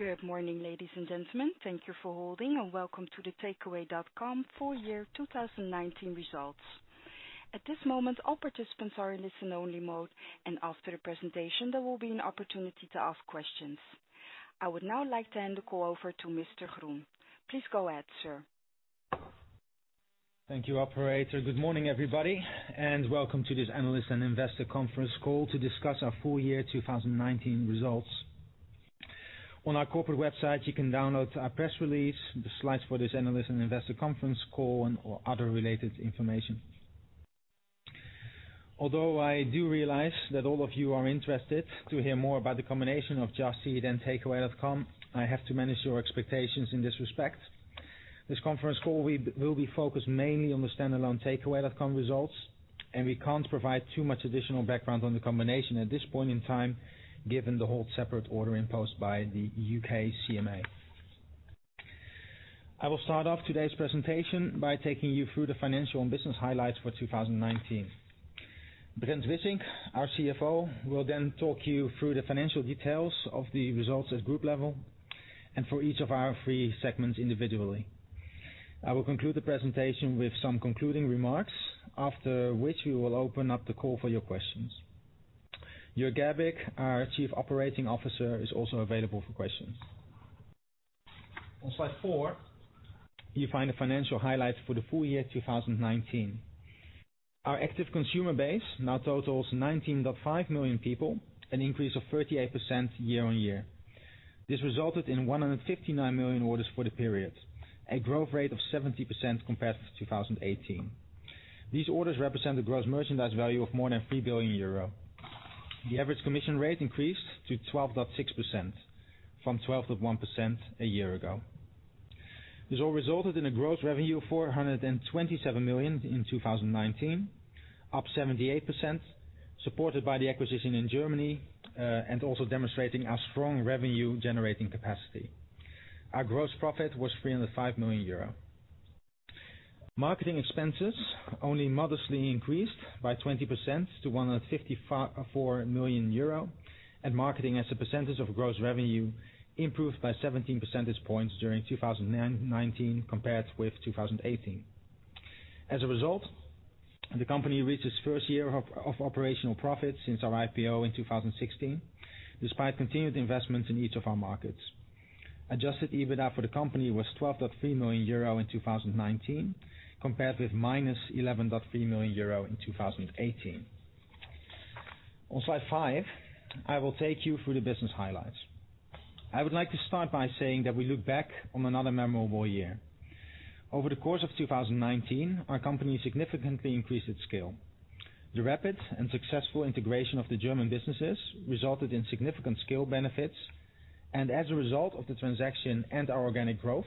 Good morning, ladies and gentlemen. Thank you for holding and welcome to the Takeaway.com full year 2019 results. At this moment, all participants are in listen only mode, and after the presentation, there will be an opportunity to ask questions. I would now like to hand the call over to Mr. Groen. Please go ahead, sir. Thank you, operator. Good morning, everybody, and welcome to this analyst and investor conference call to discuss our full year 2019 results. On our corporate website, you can download our press release, the slides for this analyst and investor conference call, and other related information. I do realize that all of you are interested to hear more about the combination of Just Eat and Takeaway.com, I have to manage your expectations in this respect. This conference call will be focused mainly on the standalone Takeaway.com results. We can't provide too much additional background on the combination at this point in time given the hold-separate order imposed by the U.K. CMA. I will start off today's presentation by taking you through the financial and business highlights for 2019. Brent Wissink, our CFO, will then talk you through the financial details of the results at group level and for each of our three segments individually. I will conclude the presentation with some concluding remarks, after which we will open up the call for your questions. Jörg Gerbig, our Chief Operating Officer, is also available for questions. On slide four, you find the financial highlights for the full year 2019. Our active consumer base now totals 19.5 million people, an increase of 38% year-on-year. This resulted in 159 million orders for the period, a growth rate of 70% compared to 2018. These orders represent a gross merchandise value of more than 3 billion euro. The average commission rate increased to 12.6% from 12.1% a year ago. This all resulted in a gross revenue of 427 million in 2019, up 78%, supported by the acquisition in Germany. Also demonstrating our strong revenue-generating capacity. Our gross profit was 305 million euro. Marketing expenses only modestly increased by 20% to 154 million euro. Marketing as a percentage of gross revenue improved by 17 percentage points during 2019 compared with 2018. As a result, the company reached its first year of operational profit since our IPO in 2016, despite continued investments in each of our markets. Adjusted EBITDA for the company was 12.3 million euro in 2019, compared with minus 11.3 million euro in 2018. On slide five, I will take you through the business highlights. I would like to start by saying that we look back on another memorable year. Over the course of 2019, our company significantly increased its scale. The rapid and successful integration of the German businesses resulted in significant scale benefits, and as a result of the transaction and our organic growth,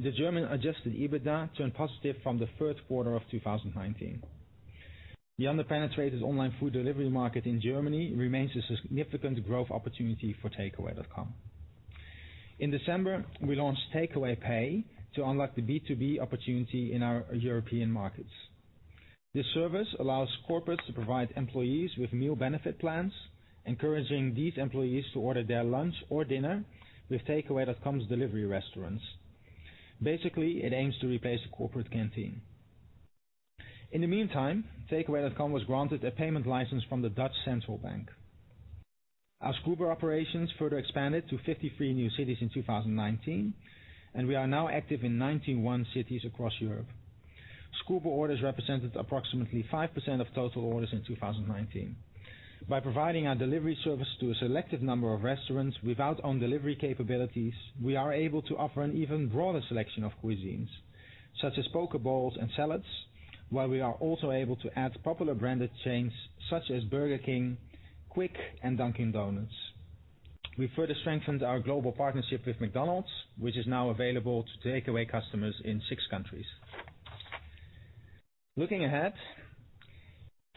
the German adjusted EBITDA turned positive from the third quarter of 2019. The under-penetrated online food delivery market in Germany remains a significant growth opportunity for Takeaway.com. In December, we launched Takeaway Pay to unlock the B2B opportunity in our European markets. This service allows corporates to provide employees with meal benefit plans, encouraging these employees to order their lunch or dinner with Takeaway.com's delivery restaurants. Basically, it aims to replace the corporate canteen. In the meantime, Takeaway.com was granted a payment license from the Dutch Central Bank. Our Scoober operations further expanded to 53 new cities in 2019. We are now active in 91 cities across Europe. Scoober orders represented approximately 5% of total orders in 2019. By providing our delivery service to a selected number of restaurants without own delivery capabilities, we are able to offer an even broader selection of cuisines such as poke bowls and salads, while we are also able to add popular branded chains such as Burger King, Quick, and Dunkin' Donuts. We further strengthened our global partnership with McDonald's, which is now available to Takeaway customers in six countries. Looking ahead,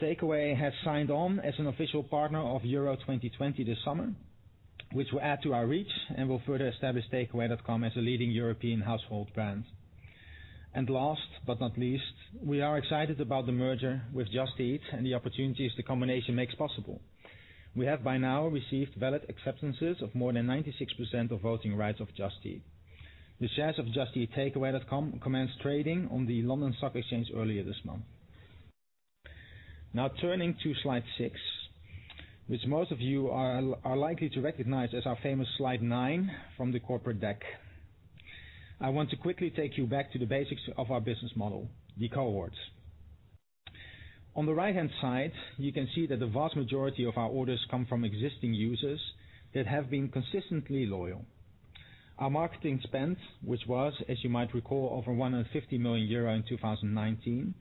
Takeaway has signed on as an official partner of Euro 2020 this summer, which will add to our reach and will further establish Takeaway.com as a leading European household brand. Last but not least, we are excited about the merger with Just Eat and the opportunities the combination makes possible. We have by now received valid acceptances of more than 96% of voting rights of Just Eat. The shares of Just Eat Takeaway.com commenced trading on the London Stock Exchange earlier this month. Turning to slide six, which most of you are likely to recognize as our famous slide nine from the corporate deck. I want to quickly take you back to the basics of our business model, the cohorts. On the right-hand side, you can see that the vast majority of our orders come from existing users that have been consistently loyal. Our marketing spend, which was, as you might recall, over 150 million euro in 2019,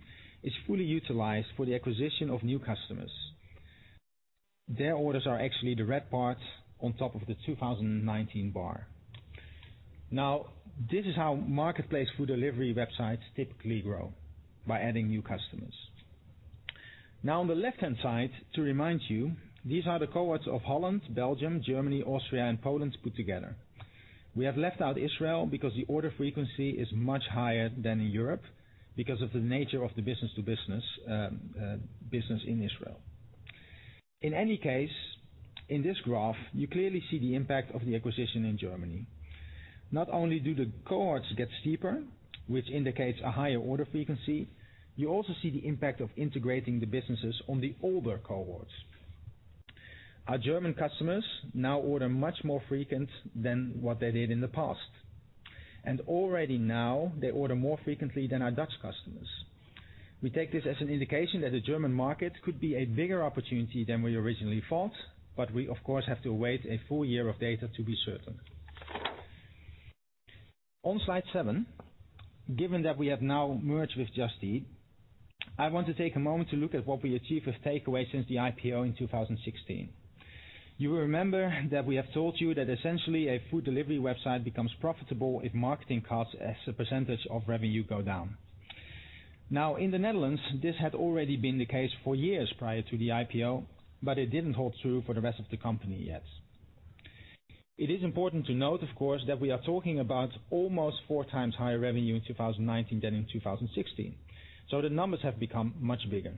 is fully utilized for the acquisition of new customers. Their orders are actually the red part on top of the 2019 bar. This is how marketplace food delivery websites typically grow, by adding new customers. On the left-hand side, to remind you, these are the cohorts of Holland, Belgium, Germany, Austria, and Poland put together. We have left out Israel because the order frequency is much higher than in Europe because of the nature of the business-to-business business in Israel. In any case, in this graph, you clearly see the impact of the acquisition in Germany. Not only do the cohorts get steeper, which indicates a higher order frequency, you also see the impact of integrating the businesses on the older cohorts. Our German customers now order much more frequent than what they did in the past, and already now they order more frequently than our Dutch customers. We take this as an indication that the German market could be a bigger opportunity than we originally thought, but we, of course, have to await a full year of data to be certain. On slide seven, given that we have now merged with Just Eat, I want to take a moment to look at what we achieved with Takeaway since the IPO in 2016. You will remember that we have told you that essentially a food delivery website becomes profitable if marketing costs as a percentage of revenue go down. In the Netherlands, this had already been the case for years prior to the IPO, but it didn't hold true for the rest of the company yet. It is important to note, of course, that we are talking about almost four times higher revenue in 2019 than in 2016. The numbers have become much bigger.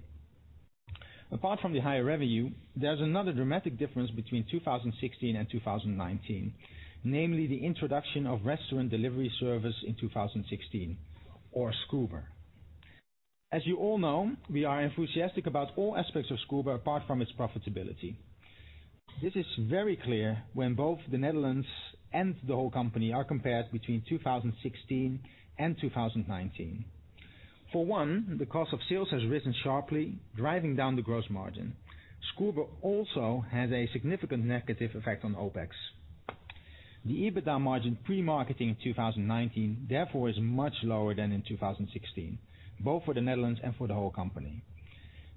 Apart from the higher revenue, there's another dramatic difference between 2016 and 2019, namely the introduction of restaurant delivery service in 2016, or Scoober. As you all know, we are enthusiastic about all aspects of Scoober apart from its profitability. This is very clear when both the Netherlands and the whole company are compared between 2016 and 2019. For one, the cost of sales has risen sharply, driving down the gross margin. Scoober also has a significant negative effect on OpEx. The EBITDA margin pre-marketing in 2019, therefore, is much lower than in 2016, both for the Netherlands and for the whole company.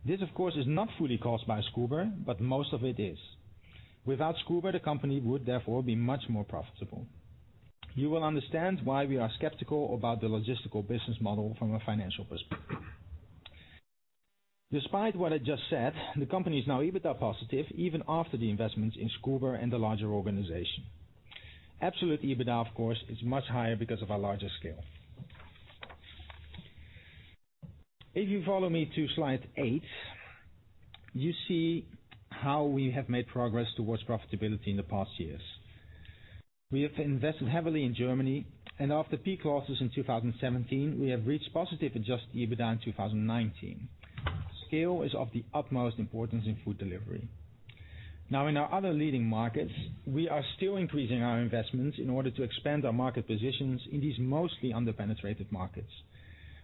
This, of course, is not fully caused by Scoober, but most of it is. Without Scoober, the company would therefore be much more profitable. You will understand why we are skeptical about the logistical business model from a financial perspective. Despite what I just said, the company is now EBITDA positive even after the investments in Scoober and the larger organization. Absolute EBITDA, of course, is much higher because of our larger scale. If you follow me to slide eight, you see how we have made progress towards profitability in the past years. We have invested heavily in Germany, and after peak losses in 2017, we have reached positive adjusted EBITDA in 2019. Scale is of the utmost importance in food delivery. In our other leading markets, we are still increasing our investments in order to expand our market positions in these mostly under-penetrated markets.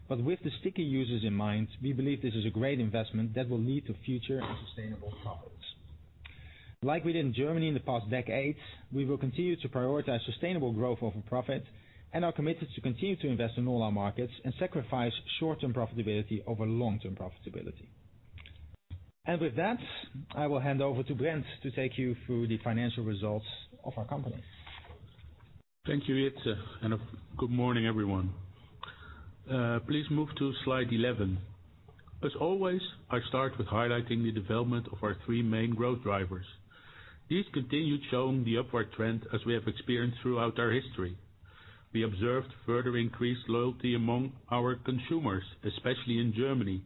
With the sticky users in mind, we believe this is a great investment that will lead to future and sustainable profits. Like we did in Germany in the past decade, we will continue to prioritize sustainable growth over profit and are committed to continue to invest in all our markets and sacrifice short-term profitability over long-term profitability. With that, I will hand over to Brent to take you through the financial results of our company. Thank you, Jitse, and good morning, everyone. Please move to slide 11. As always, I start with highlighting the development of our three main growth drivers. These continued showing the upward trend as we have experienced throughout our history. We observed further increased loyalty among our consumers, especially in Germany,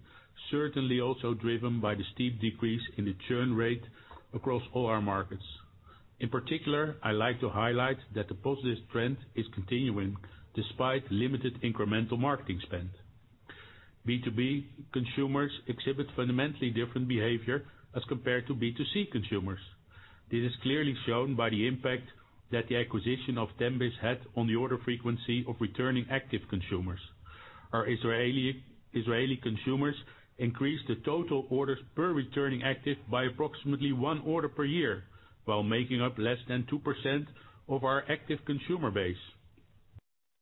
certainly also driven by the steep decrease in the churn rate across all our markets. In particular, I like to highlight that the positive trend is continuing despite limited incremental marketing spend. B2B consumers exhibit fundamentally different behavior as compared to B2C consumers. This is clearly shown by the impact that the acquisition of 10bis had on the order frequency of returning active consumers. Our Israeli consumers increased the total orders per returning active by approximately one order per year while making up less than 2% of our active consumer base.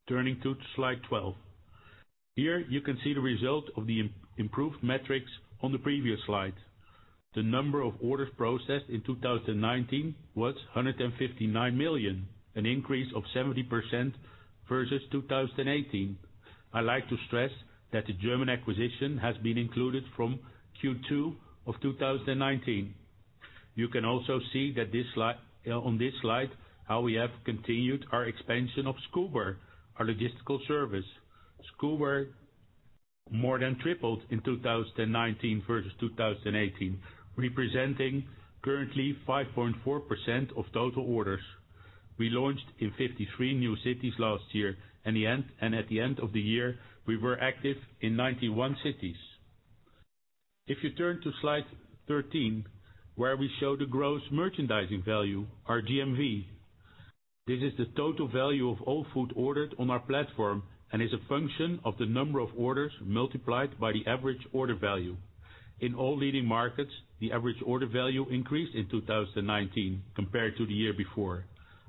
Turning to slide 12. Here you can see the result of the improved metrics on the previous slide. The number of orders processed in 2019 was 159 million, an increase of 70% versus 2018. I like to stress that the German acquisition has been included from Q2 of 2019. You can also see on this slide how we have continued our expansion of Scoober, our logistical service. Scoober more than tripled in 2019 versus 2018, representing currently 5.4% of total orders. We launched in 53 new cities last year, and at the end of the year, we were active in 91 cities. If you turn to slide 13, where we show the gross merchandising value, our GMV. This is the total value of all food ordered on our platform and is a function of the number of orders multiplied by the average order value. In all leading markets, the average order value increased in 2019 compared to the year before.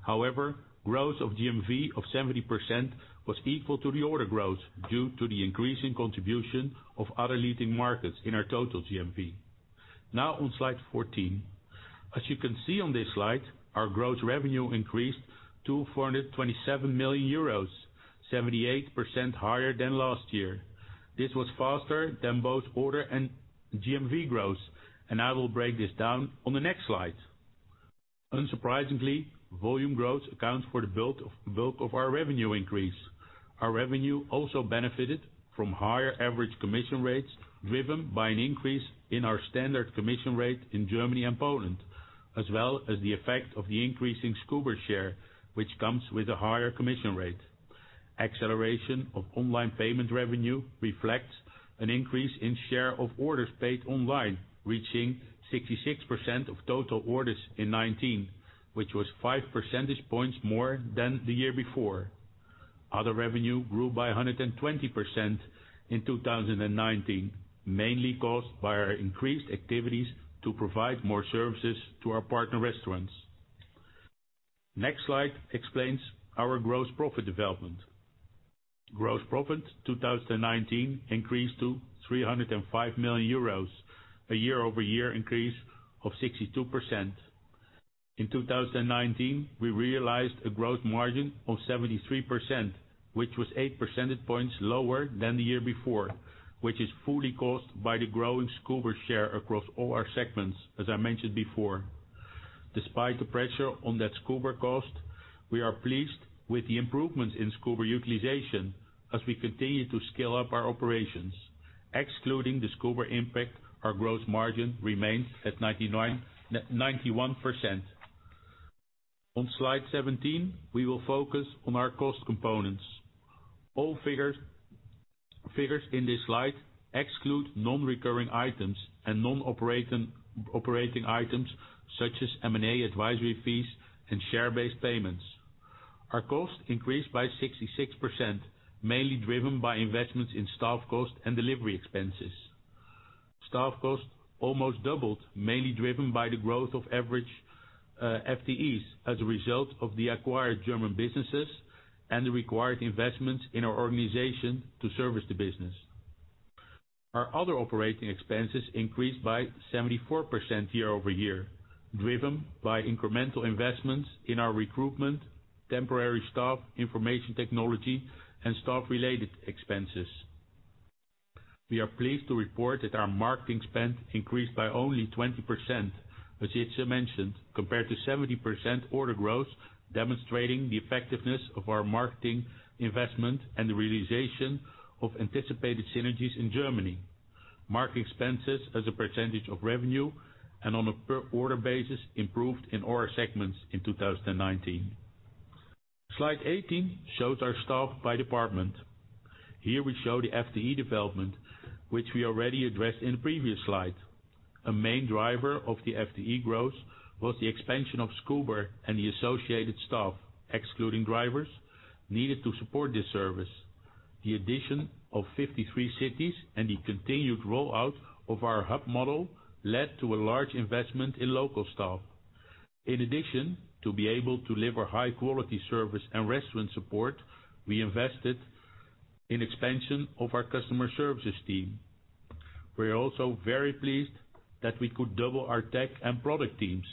However, growth of GMV of 70% was equal to the order growth due to the increasing contribution of other leading markets in our total GMV. Now on slide 14. As you can see on this slide, our growth revenue increased to 427 million euros, 78% higher than last year. This was faster than both order and GMV growth, and I will break this down on the next slide. Unsurprisingly, volume growth accounts for the bulk of our revenue increase. Our revenue also benefited from higher average commission rates, driven by an increase in our standard commission rate in Germany and Poland, as well as the effect of the increasing Scoober share, which comes with a higher commission rate. Acceleration of online payment revenue reflects an increase in share of orders paid online, reaching 66% of total orders in 2019, which was five percentage points more than the year before. Other revenue grew by 120% in 2019, mainly caused by our increased activities to provide more services to our partner restaurants. Next slide explains our gross profit development. Gross profit 2019 increased to 305 million euros, a year-over-year increase of 62%. In 2019, we realized a gross margin of 73%, which was eight percentage points lower than the year before, which is fully caused by the growing Scoober share across all our segments, as I mentioned before. Despite the pressure on that Scoober cost, we are pleased with the improvements in Scoober utilization as we continue to scale up our operations. Excluding the Scoober impact, our gross margin remains at 91%. On slide 17, we will focus on our cost components. All figures in this slide exclude non-recurring items and non-operating items such as M&A advisory fees and share-based payments. Our cost increased by 66%, mainly driven by investments in staff cost and delivery expenses. Staff cost almost doubled, mainly driven by the growth of average FTEs as a result of the acquired German businesses and the required investments in our organization to service the business. Our other operating expenses increased by 74% year-over-year, driven by incremental investments in our recruitment, temporary staff, information technology and staff related expenses. We are pleased to report that our marketing spend increased by only 20%, as Jitse mentioned, compared to 70% order growth, demonstrating the effectiveness of our marketing investment and the realization of anticipated synergies in Germany. Marketing expenses as a percentage of revenue and on a per order basis improved in all our segments in 2019. Slide 18 shows our staff by department. Here we show the FTE development, which we already addressed in the previous slide. A main driver of the FTE growth was the expansion of Scoober and the associated staff, excluding drivers, needed to support this service. The addition of 53 cities and the continued rollout of our hub model led to a large investment in local staff. In addition, to be able to deliver high quality service and restaurant support, we invested in expansion of our customer services team. We are also very pleased that we could double our tech and product teams.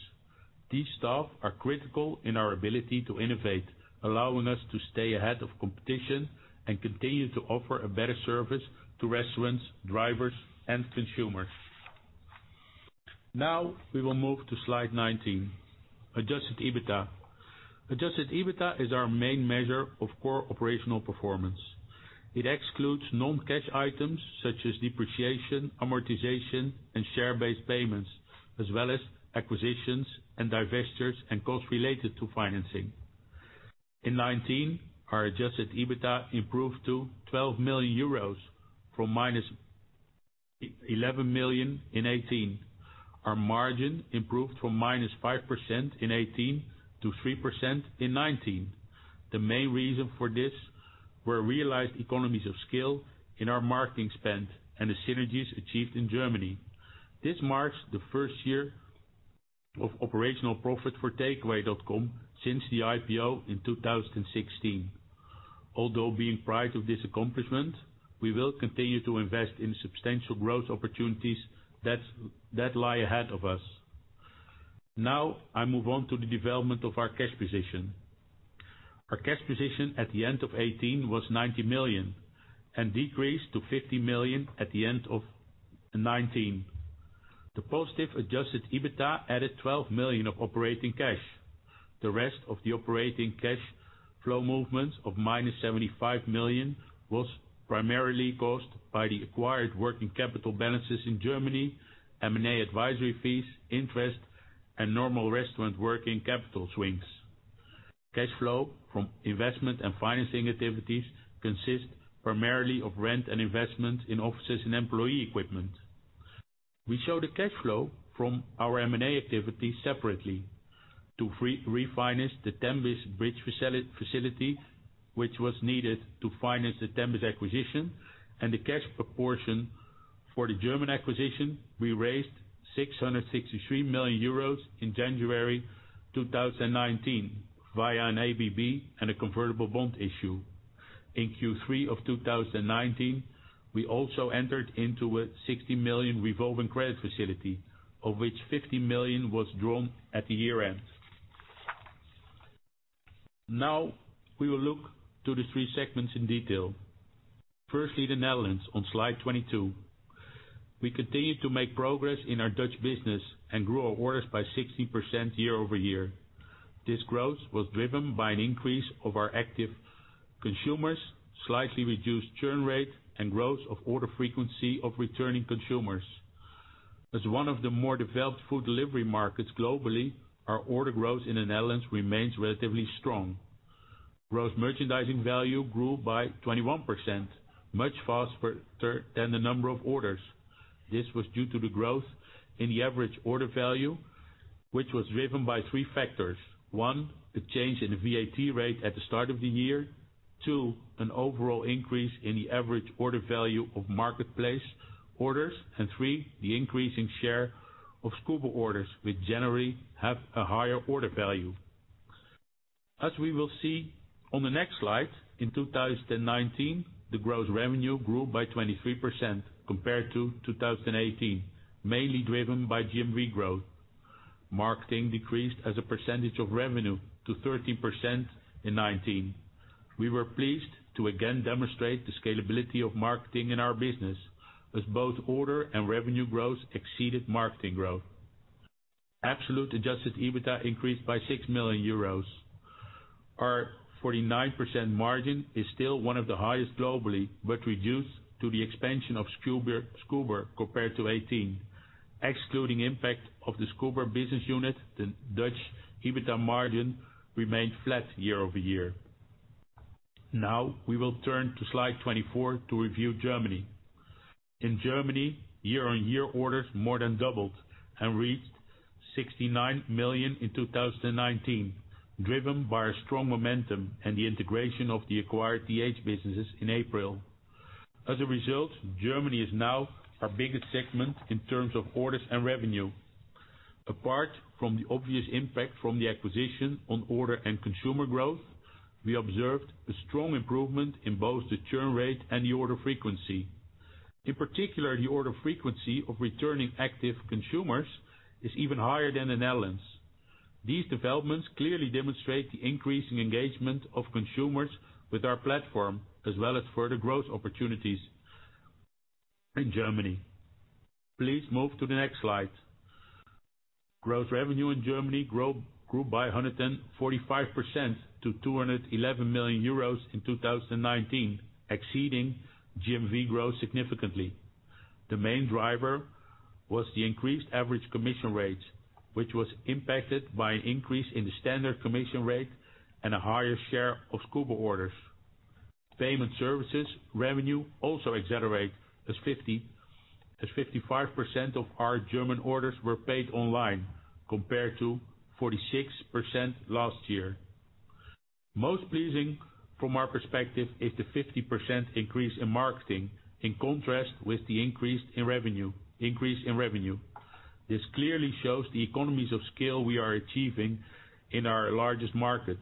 These staff are critical in our ability to innovate, allowing us to stay ahead of competition and continue to offer a better service to restaurants, drivers, and consumers. We will move to slide 19, adjusted EBITDA. Adjusted EBITDA is our main measure of core operational performance. It excludes non-cash items such as depreciation, amortization, and share-based payments, as well as acquisitions and divestitures and costs related to financing. In 2019, our adjusted EBITDA improved to 12 million euros from minus 11 million in 2018. Our margin improved from minus 5% in 2018 to 3% in 2019. The main reason for this were realized economies of scale in our marketing spend and the synergies achieved in Germany. This marks the first year of operational profit for Takeaway.com since the IPO in 2016. Although being proud of this accomplishment, we will continue to invest in substantial growth opportunities that lie ahead of us. I move on to the development of our cash position. Our cash position at the end of 2018 was 90 million and decreased to 50 million at the end of 2019. The positive adjusted EBITDA added 12 million of operating cash. The rest of the operating cash flow movements of minus 75 million was primarily caused by the acquired working capital balances in Germany, M&A advisory fees, interest and normal restaurant working capital swings. Cash flow from investment and financing activities consist primarily of rent and investment in offices and employee equipment. We show the cash flow from our M&A activities separately. To refinance the Takeaway bridge facility, which was needed to finance the Takeaway acquisition and the cash proportion for the German acquisition, we raised 663 million euros in January 2019 via an ABB and a convertible bond issue. In Q3 of 2019, we also entered into a 60 million revolving credit facility, of which 50 million was drawn at the year-end. We will look to the three segments in detail. Firstly, the Netherlands on slide 22. We continued to make progress in our Dutch business and grew our orders by 16% year-over-year. This growth was driven by an increase of our active consumers, slightly reduced churn rate, and growth of order frequency of returning consumers. As one of the more developed food delivery markets globally, our order growth in the Netherlands remains relatively strong. Gross merchandising value grew by 21%, much faster than the number of orders. This was due to the growth in the average order value, which was driven by three factors. One, the change in the VAT rate at the start of the year. Two, an overall increase in the average order value of marketplace orders. Three, the increasing share of Scoober orders, which generally have a higher order value. As we will see on the next slide, in 2019, the gross revenue grew by 23% compared to 2018, mainly driven by GMV growth. Marketing decreased as a percentage of revenue to 13% in 2019. We were pleased to again demonstrate the scalability of marketing in our business as both order and revenue growth exceeded marketing growth. Absolute adjusted EBITDA increased by 6 million euros. Our 49% margin is still one of the highest globally, but reduced to the expansion of Scoober compared to 2018. Excluding impact of the Scoober business unit, the Dutch EBITDA margin remained flat year-over-year. We will turn to slide 24 to review Germany. In Germany, year-over-year orders more than doubled and reached 69 million in 2019, driven by a strong momentum and the integration of the acquired DH businesses in April. As a result, Germany is now our biggest segment in terms of orders and revenue. Apart from the obvious impact from the acquisition on order and consumer growth, we observed a strong improvement in both the churn rate and the order frequency. In particular, the order frequency of returning active consumers is even higher than the Netherlands. These developments clearly demonstrate the increasing engagement of consumers with our platform, as well as further growth opportunities in Germany. Please move to the next slide. Gross revenue in Germany grew by 145% to 211 million euros in 2019, exceeding GMV growth significantly. The main driver was the increased average commission rates, which was impacted by an increase in the standard commission rate and a higher share of Scoober orders. Payment services revenue also accelerate as 55% of our German orders were paid online, compared to 46% last year. Most pleasing from our perspective is the 50% increase in marketing, in contrast with the increase in revenue. This clearly shows the economies of scale we are achieving in our largest market.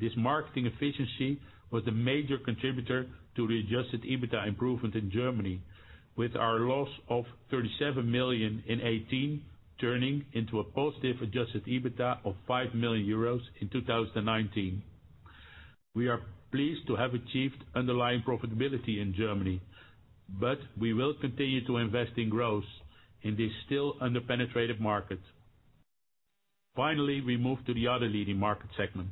This marketing efficiency was the major contributor to the adjusted EBITDA improvement in Germany with our loss of 37 million in 2018, turning into a positive adjusted EBITDA of 5 million euros in 2019. We are pleased to have achieved underlying profitability in Germany, but we will continue to invest in growth in this still under-penetrated market. We move to the other leading market segment.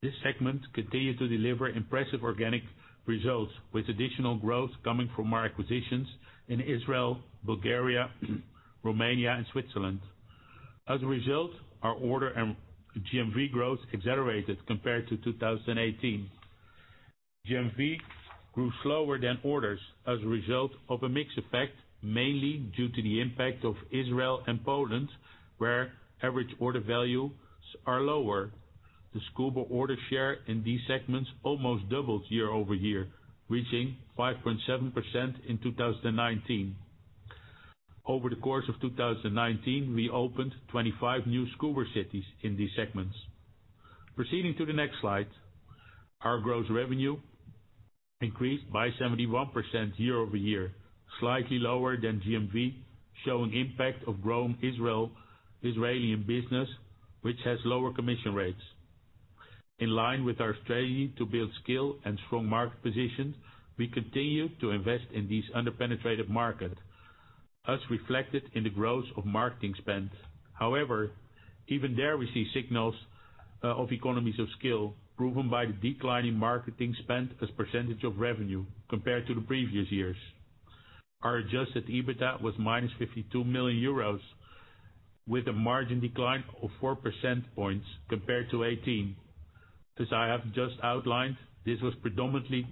This segment continued to deliver impressive organic results, with additional growth coming from our acquisitions in Israel, Bulgaria, Romania, and Switzerland. Our order and GMV growth accelerated compared to 2018. GMV grew slower than orders as a result of a mix effect, mainly due to the impact of Israel and Poland, where average order values are lower. The Scoober order share in these segments almost doubled year-over-year, reaching 5.7% in 2019. Over the course of 2019, we opened 25 new Scoober cities in these segments. Proceeding to the next slide. Our gross revenue increased by 71% year-over-year, slightly lower than GMV, showing impact of growing Israeli business, which has lower commission rates. In line with our strategy to build scale and strong market positions, we continue to invest in these under-penetrated markets, as reflected in the growth of marketing spend. However, even there we see signals of economies of scale proven by the decline in marketing spend as a % of revenue compared to the previous years. Our adjusted EBITDA was minus 52 million euros with a margin decline of 4 percentage points compared to 2018. As I have just outlined, this was predominantly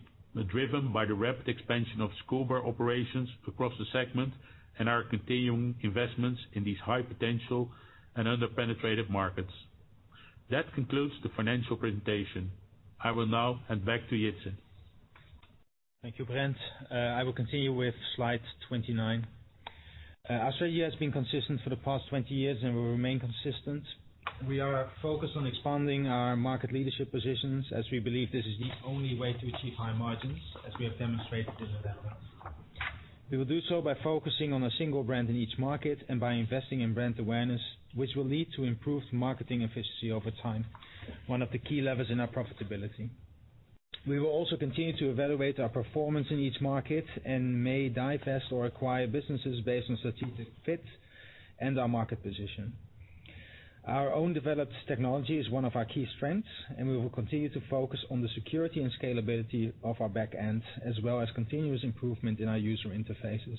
driven by the rapid expansion of Scoober operations across the segment and our continuing investments in these high-potential and under-penetrated markets. That concludes the financial presentation. I will now hand back to Jitse. Thank you, Brent. I will continue with slide 29. Our strategy has been consistent for the past 20 years and will remain consistent. We are focused on expanding our market leadership positions as we believe this is the only way to achieve high margins, as we have demonstrated in the Netherlands. We will do so by focusing on a single brand in each market and by investing in brand awareness, which will lead to improved marketing efficiency over time, one of the key levers in our profitability. We will also continue to evaluate our performance in each market and may divest or acquire businesses based on strategic fit and our market position. Our own developed technology is one of our key strengths, and we will continue to focus on the security and scalability of our back end, as well as continuous improvement in our user interfaces.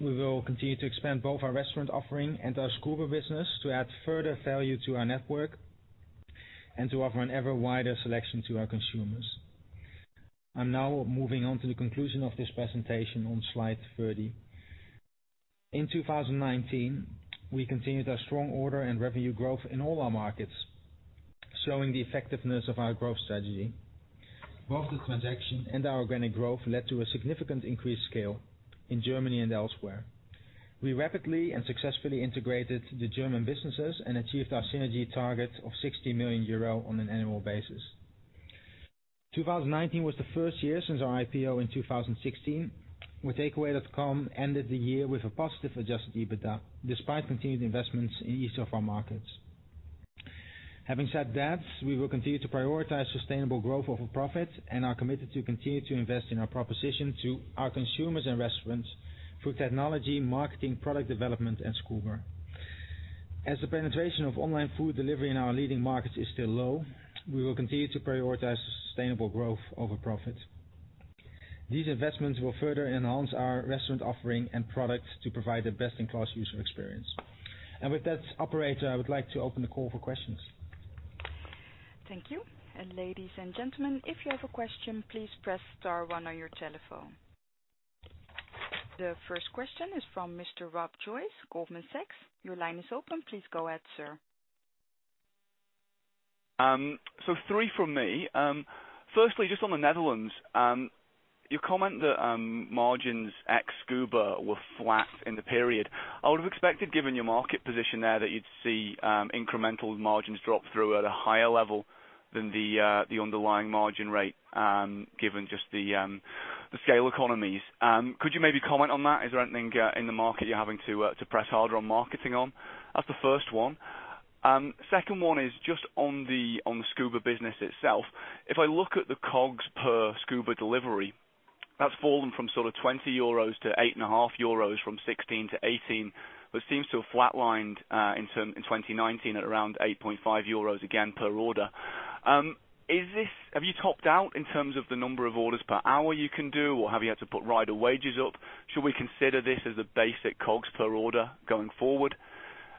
We will continue to expand both our restaurant offering and our Scoober business to add further value to our network and to offer an ever wider selection to our consumers. I'm now moving on to the conclusion of this presentation on slide 30. In 2019, we continued our strong order and revenue growth in all our markets, showing the effectiveness of our growth strategy. Both the transaction and our organic growth led to a significant increased scale in Germany and elsewhere. We rapidly and successfully integrated the German businesses and achieved our synergy target of 60 million euro on an annual basis. 2019 was the first year since our IPO in 2016, where Takeaway.com ended the year with a positive adjusted EBITDA, despite continued investments in each of our markets. Having said that, we will continue to prioritize sustainable growth over profit and are committed to continue to invest in our proposition to our consumers and restaurants through technology, marketing, product development, and Scoober. As the penetration of online food delivery in our leading markets is still low, we will continue to prioritize sustainable growth over profit. These investments will further enhance our restaurant offering and products to provide the best-in-class user experience. With that, operator, I would like to open the call for questions. Thank you. Ladies and gentlemen, if you have a question, please press star one on your telephone. The first question is from Mr. Rob Joyce, Goldman Sachs. Your line is open. Please go ahead, sir. Three from me. Firstly, just on the Netherlands. You comment that margins ex Scoober were flat in the period. I would have expected, given your market position there, that you'd see incremental margins drop through at a higher level than the underlying margin rate, given just the scale economies. Could you maybe comment on that? Is there anything in the market you're having to press harder on marketing on? That's the first one. Second one is just on the Scoober business itself. If I look at the COGS per Scoober delivery, that's fallen from sort of 20 euros to 8.50 euros from 2016 to 2018, but seems to have flat-lined in 2019 at around 8.50 euros again per order. Have you topped out in terms of the number of orders per hour you can do, or have you had to put rider wages up? Should we consider this as the basic COGS per order going forward?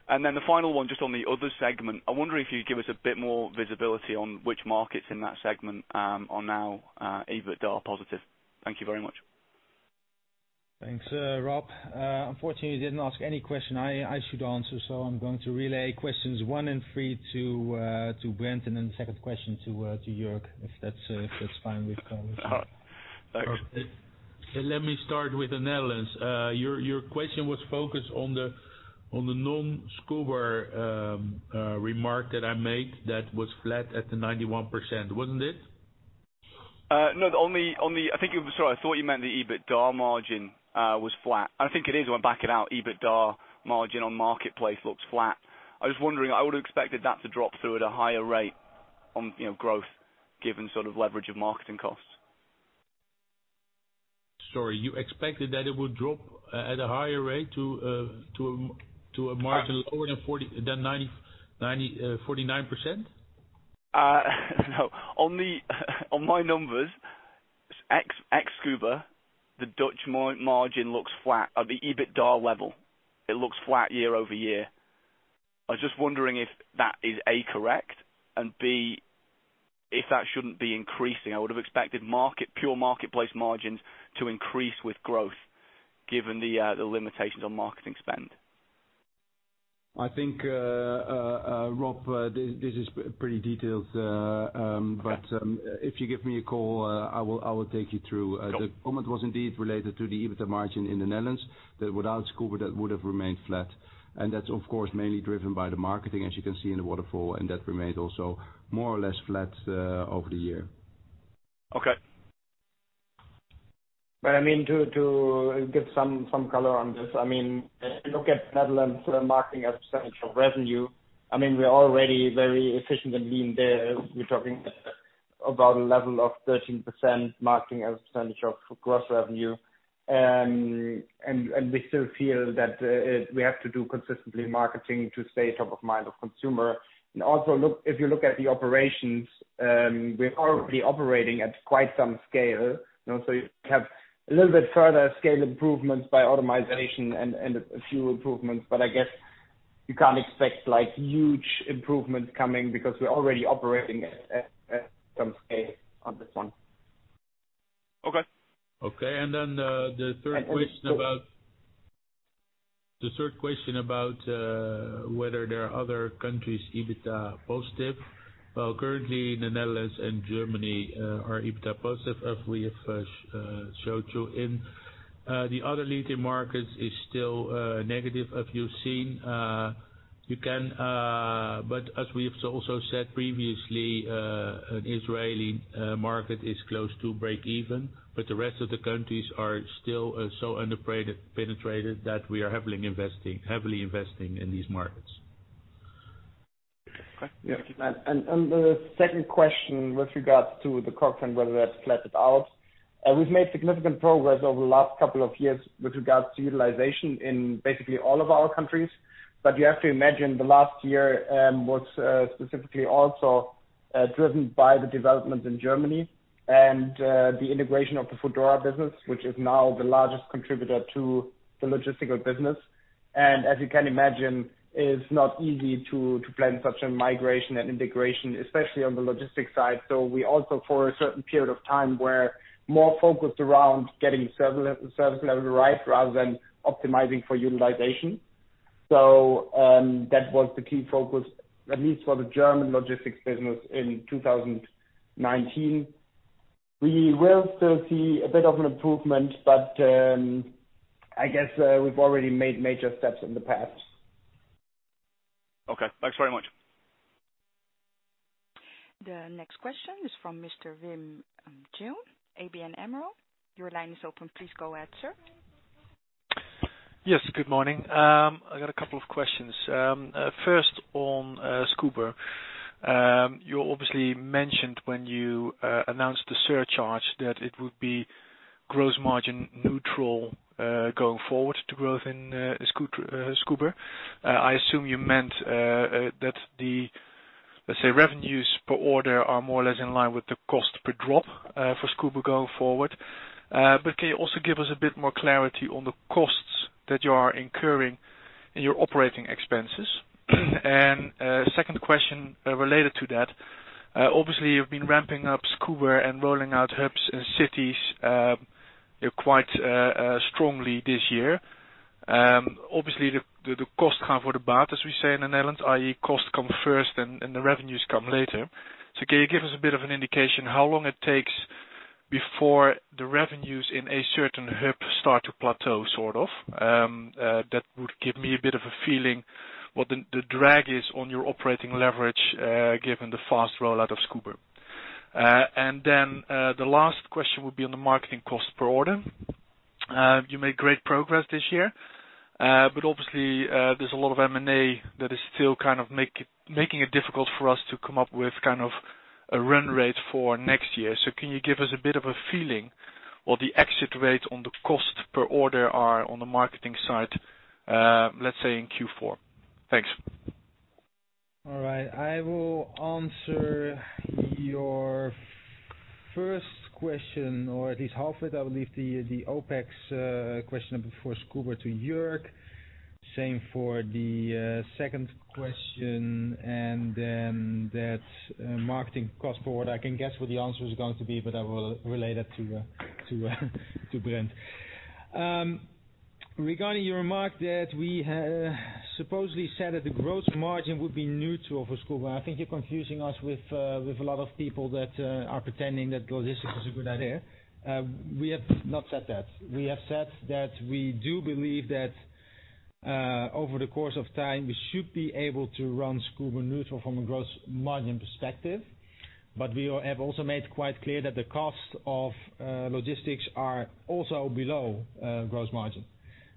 The final one, just on the other segment, I wonder if you'd give us a bit more visibility on which markets in that segment are now EBITDA positive. Thank you very much. Thanks, Rob. Unfortunately, you didn't ask any question I should answer. I'm going to relay questions one and three to Brent and then the second question to Jörg, if that's fine with colleagues. Thanks. Let me start with the Netherlands. Your question was focused on the non-Scoober remark that I made that was flat at the 91%, wasn't it? No, I think, sorry, I thought you meant the EBITDA margin was flat. I think it is when backing out EBITDA margin on marketplace looks flat. I was wondering, I would have expected that to drop through at a higher rate on growth given sort of leverage of marketing costs. Sorry, you expected that it would drop at a higher rate to a margin lower than 49%? No. On my numbers, ex Scoober, the Dutch margin looks flat at the EBITDA level. It looks flat year-over-year. I was just wondering if that is, A, correct, and B, if that shouldn't be increasing. I would have expected pure marketplace margins to increase with growth given the limitations on marketing spend. I think, Rob, this is pretty detailed, but if you give me a call, I will take you through. Sure. The comment was indeed related to the EBITDA margin in the Netherlands, that without Scoober, that would have remained flat. That's of course, mainly driven by the marketing, as you can see in the waterfall, and that remained also more or less flat over the year. Okay. To give some color on this, if you look at Netherlands marketing as a percentage of revenue, we're already very efficient and lean there. We're talking about a level of 13% marketing as a percentage of gross revenue. We still feel that we have to do consistently marketing to stay top of mind of consumer. Also, if you look at the operations, we're already operating at quite some scale. You have a little bit further scale improvements by automatization and a few improvements, but I guess you can't expect huge improvements coming because we're already operating at some scale on this one. Okay. Okay, the third question about. The third question about whether there are other countries EBITDA positive. Well, currently the Netherlands and Germany are EBITDA positive as we have showed you. In the other leading markets it's still negative as you've seen. As we have also said previously, Israeli market is close to breakeven, but the rest of the countries are still so under-penetrated that we are heavily investing in these markets. Okay. Thank you. The second question with regards to the cross-run, whether that's flattened out. We've made significant progress over the last couple of years with regards to utilization in basically all of our countries. You have to imagine the last year was specifically also driven by the developments in Germany and the integration of the Foodora business, which is now the largest contributor to the logistical business. As you can imagine, it is not easy to plan such a migration and integration, especially on the logistics side. We also for a certain period of time were more focused around getting service level right, rather than optimizing for utilization. That was the key focus, at least for the German logistics business in 2019. We will still see a bit of an improvement, but I guess we've already made major steps in the past. Okay. Thanks very much. The next question is from Mr. Wim Gille, ABN AMRO. Your line is open. Please go ahead, sir. Yes, good morning. I got a couple of questions. First on Scoober. You obviously mentioned when you announced the surcharge that it would be gross margin neutral, going forward to growth in Scoober. I assume you meant that the, let's say, revenues per order are more or less in line with the cost per run for Scoober going forward. Can you also give us a bit more clarity on the costs that you are incurring in your operating expenses? Second question related to that. Obviously, you've been ramping up Scoober and rolling out hubs in cities quite strongly this year. Obviously, the costs come before the benefit, as we say in the Netherlands, i.e. costs come first and the revenues come later. Can you give us a bit of an indication how long it takes before the revenues in a certain hub start to plateau sort of? That would give me a bit of a feeling what the drag is on your operating leverage, given the fast rollout of Scoober. The last question would be on the marketing cost per order. You made great progress this year. There's a lot of M&A that is still kind of making it difficult for us to come up with a run rate for next year. Can you give us a bit of a feeling what the exit rates on the cost per order are on the marketing side, let's say in Q4? Thanks. All right. I will answer your first question, or at least half it. I will leave the OpEx question for Scoober to Jörg. Same for the second question that marketing cost forward. I can guess what the answer is going to be. I will relay that to Brent. Regarding your remark that we supposedly said that the gross margin would be neutral for Scoober. I think you're confusing us with a lot of people that are pretending that logistics is a good idea. We have not said that. We have said that we do believe that over the course of time, we should be able to run Scoober neutral from a gross margin perspective. We have also made quite clear that the costs of logistics are also below gross margin.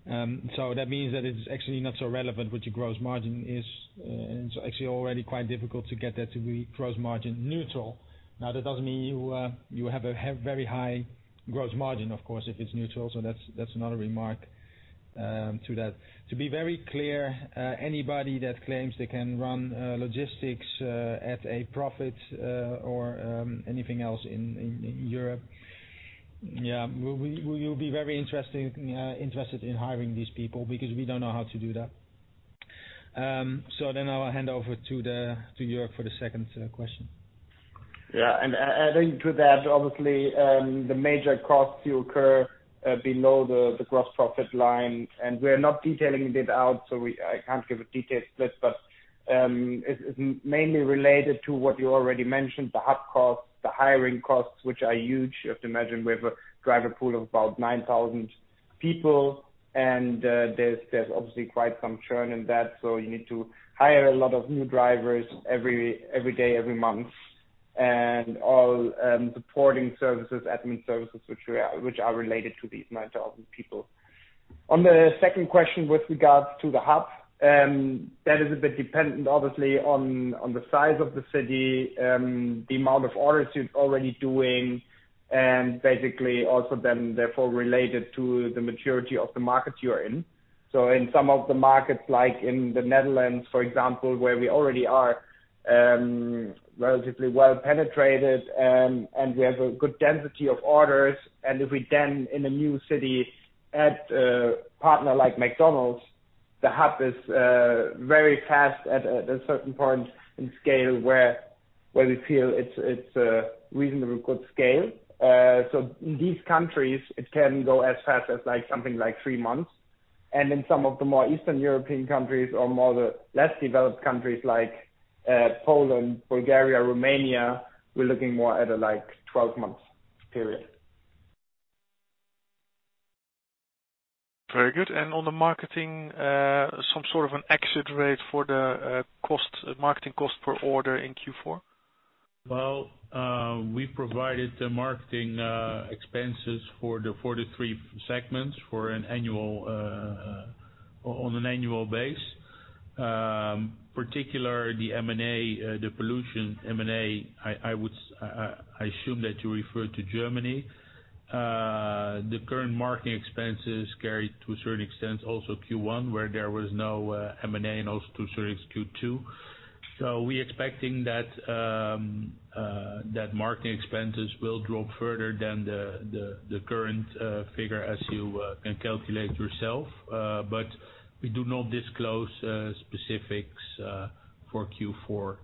That means that it's actually not so relevant what your gross margin is. It's actually already quite difficult to get that to be cross-margin neutral. That doesn't mean you have a very high gross margin, of course, if it's neutral. That's another remark to that. To be very clear, anybody that claims they can run logistics at a profit or anything else in Europe, we will be very interested in hiring these people because we don't know how to do that. I'll hand over to Jörg for the second question. Yeah. Adding to that, obviously, the major costs do occur below the gross profit line, we are not detailing it out, so I can't give a detailed split, it's mainly related to what you already mentioned, the hub costs, the hiring costs, which are huge. You have to imagine we have a driver pool of about 9,000 people, there's obviously quite some churn in that. You need to hire a lot of new drivers every day, every month, all supporting services, admin services, which are related to these 9,000 people. On the second question with regards to the hub, that is a bit dependent, obviously, on the size of the city, the amount of orders you're already doing, basically also then therefore related to the maturity of the markets you are in. In some of the markets, like in the Netherlands, for example, where we already are relatively well penetrated and we have a good density of orders, and if we then in a new city add a partner like McDonald's, the hub is very fast at a certain point in scale where. Where we feel it's a reasonably good scale. In these countries it can go as fast as something like three months. In some of the more Eastern European countries or more the less developed countries like Poland, Bulgaria, Romania, we're looking more at a 12 months period. On the marketing, some sort of an exit rate for the marketing cost per order in Q4? We provided the marketing expenses for the 43 segments on an annual basis. Particularly the M&A, the dilution from M&A, I assume that you refer to Germany. The current marketing expenses carry to a certain extent also Q1 where there was no M&A and also to certain Q2. We expecting that marketing expenses will drop further than the current figure as you can calculate yourself. We do not disclose specifics for Q4.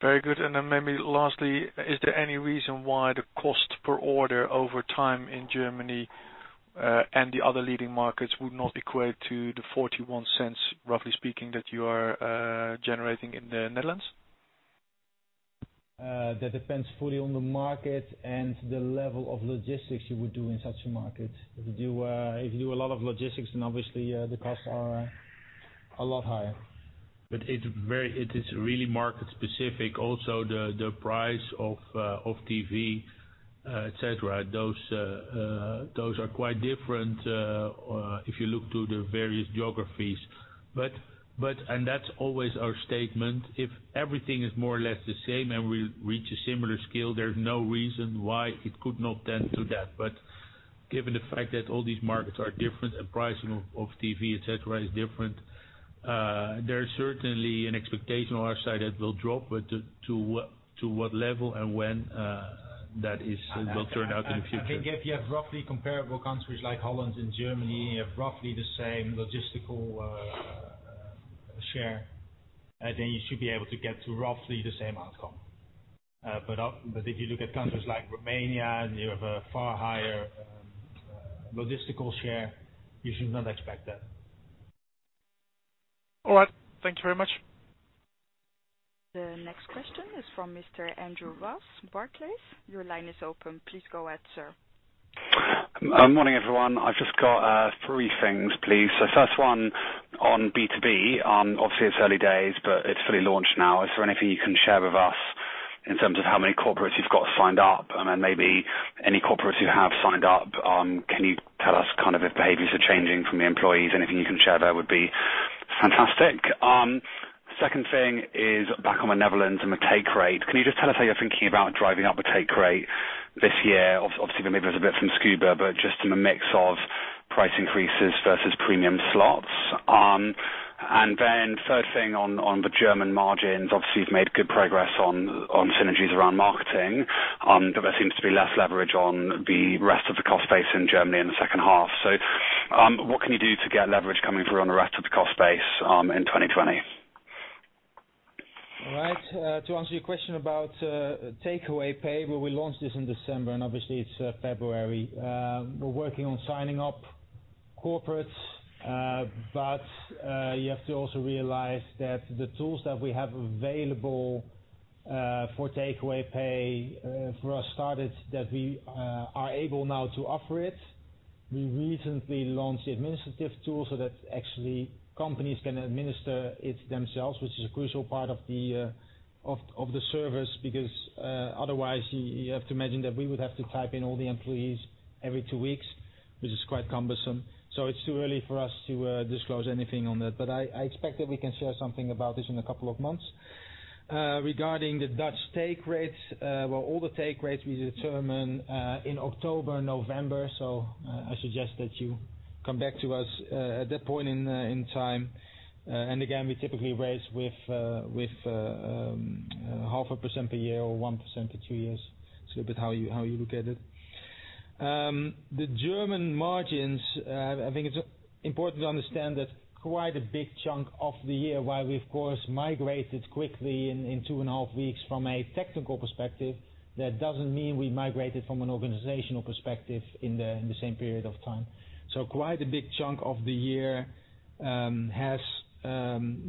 Very good. Maybe lastly, is there any reason why the cost per order over time in Germany and the other leading markets would not equate to the 0.41 roughly speaking that you are generating in the Netherlands? That depends fully on the market and the level of logistics you would do in such a market. If you do a lot of logistics, then obviously the costs are a lot higher. It is really market specific. Also the price of TV, et cetera, those are quite different if you look to the various geographies. That's always our statement, if everything is more or less the same and we reach a similar scale, there's no reason why it could not then do that. Given the fact that all these markets are different and pricing of TV, et cetera, is different, there's certainly an expectation on our side that will drop, but to what level and when, that will turn out in the future. I think if you have roughly comparable countries like Holland and Germany, you have roughly the same logistical share, then you should be able to get to roughly the same outcome. If you look at countries like Romania and you have a far higher logistical share, you should not expect that. All right. Thank you very much. The next question is from Mr. Andrew Ross, Barclays. Your line is open. Please go ahead, sir. Morning, everyone. I've just got three things, please. First one on B2B, obviously it's early days, but it's fully launched now. Is there anything you can share with us in terms of how many corporates you've got signed up and then maybe any corporates who have signed up, can you tell us if behaviors are changing from the employees? Anything you can share there would be fantastic. Second thing is back on the Netherlands and the take rate. Can you just tell us how you're thinking about driving up the take rate this year? Obviously, maybe there's a bit from Scoober, but just in the mix of price increases versus premium slots. Third thing on the German margins, obviously you've made good progress on synergies around marketing, but there seems to be less leverage on the rest of the cost base in Germany in the second half. What can you do to get leverage coming through on the rest of the cost base in 2020? All right. To answer your question about Takeaway Pay, well we launched this in December and obviously it's February. We are working on signing up corporates, you have to also realize that the tools that we have available for Takeaway Pay, for us started that we are able now to offer it. We recently launched the administrative tool so that actually companies can administer it themselves, which is a crucial part of the service because otherwise you have to imagine that we would have to type in all the employees every two weeks, which is quite cumbersome. It is too early for us to disclose anything on that. I expect that we can share something about this in a couple of months. Regarding the Dutch take rates, well all the take rates we determine in October, November, so I suggest that you come back to us at that point in time. Again, we typically raise with 0.5% per year or 1% for two years. It's a little bit how you look at it. The German margins, I think it's important to understand that quite a big chunk of the year while we of course migrated quickly in two and a half weeks from a technical perspective, that doesn't mean we migrated from an organizational perspective in the same period of time. Quite a big chunk of the year has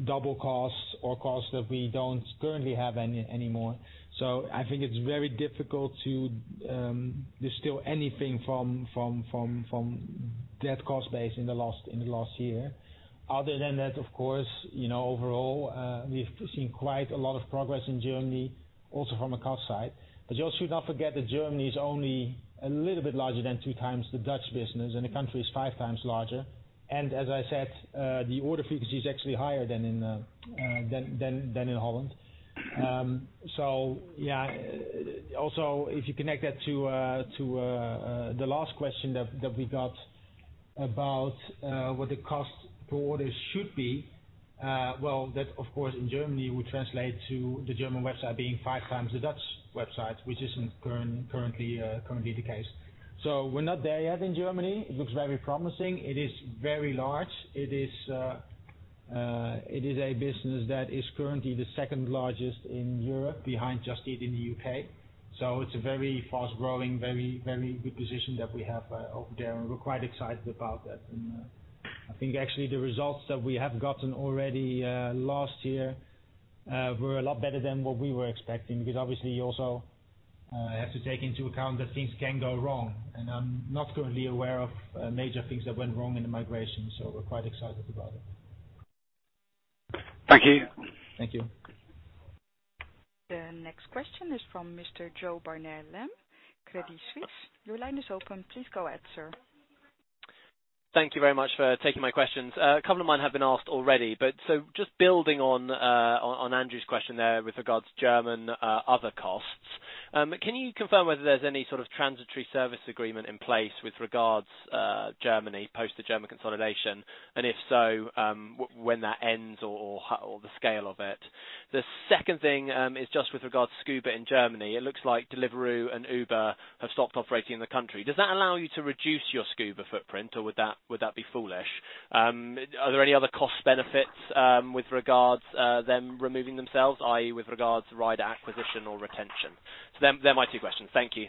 double costs or costs that we don't currently have anymore. I think it's very difficult to distill anything from that cost base in the last year. Other than that, of course, overall, we've seen quite a lot of progress in Germany, also from a cost side. You also should not forget that Germany is only a little bit larger than two times the Dutch business, and the country is five times larger. As I said, the order frequency is actually higher than in Holland. Yeah, also if you connect that to the last question that we got about what the cost per order should be, well, that of course in Germany would translate to the German website being five times the Dutch website, which isn't currently the case. We're not there yet in Germany. It looks very promising. It is very large. It is a business that is currently the second largest in Europe behind Just Eat in the U.K. It's a very fast-growing, very good position that we have over there, and we're quite excited about that. I think actually the results that we have gotten already last year were a lot better than what we were expecting, because obviously you also have to take into account that things can go wrong. I'm not currently aware of major things that went wrong in the migration, so we're quite excited about it. Thank you. Thank you. The next question is from Mr. Joe Barnet-Lamb, Credit Suisse. Your line is open. Please go ahead, sir. Thank you very much for taking my questions. A couple of mine have been asked already, but just building on Andrew's question there with regards to German other costs, can you confirm whether there's any sort of transitory service agreement in place with regards to Germany post the German consolidation, and if so, when that ends or the scale of it? Second thing is just with regards to Scoober in Germany. It looks like Deliveroo and Uber have stopped operating in the country. Does that allow you to reduce your Scoober footprint, or would that be foolish? Are there any other cost benefits with regards to them removing themselves, i.e., with regards to rider acquisition or retention? They're my two questions. Thank you.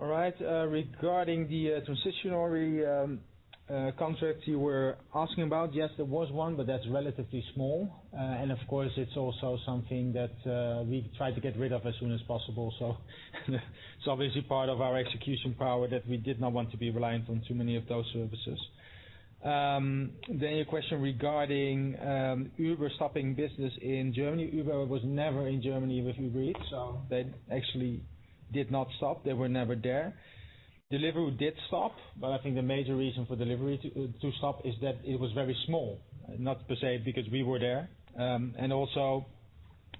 All right. Regarding the transitionary contract you were asking about, yes, there was one, but that's relatively small. Of course, it's also something that we try to get rid of as soon as possible. Obviously part of our execution power that we did not want to be reliant on too many of those services. Your question regarding Uber stopping business in Germany. Uber was never in Germany with Uber Eats, so they actually did not stop. They were never there. Deliveroo did stop, but I think the major reason for Deliveroo to stop is that it was very small, not per se because we were there. Also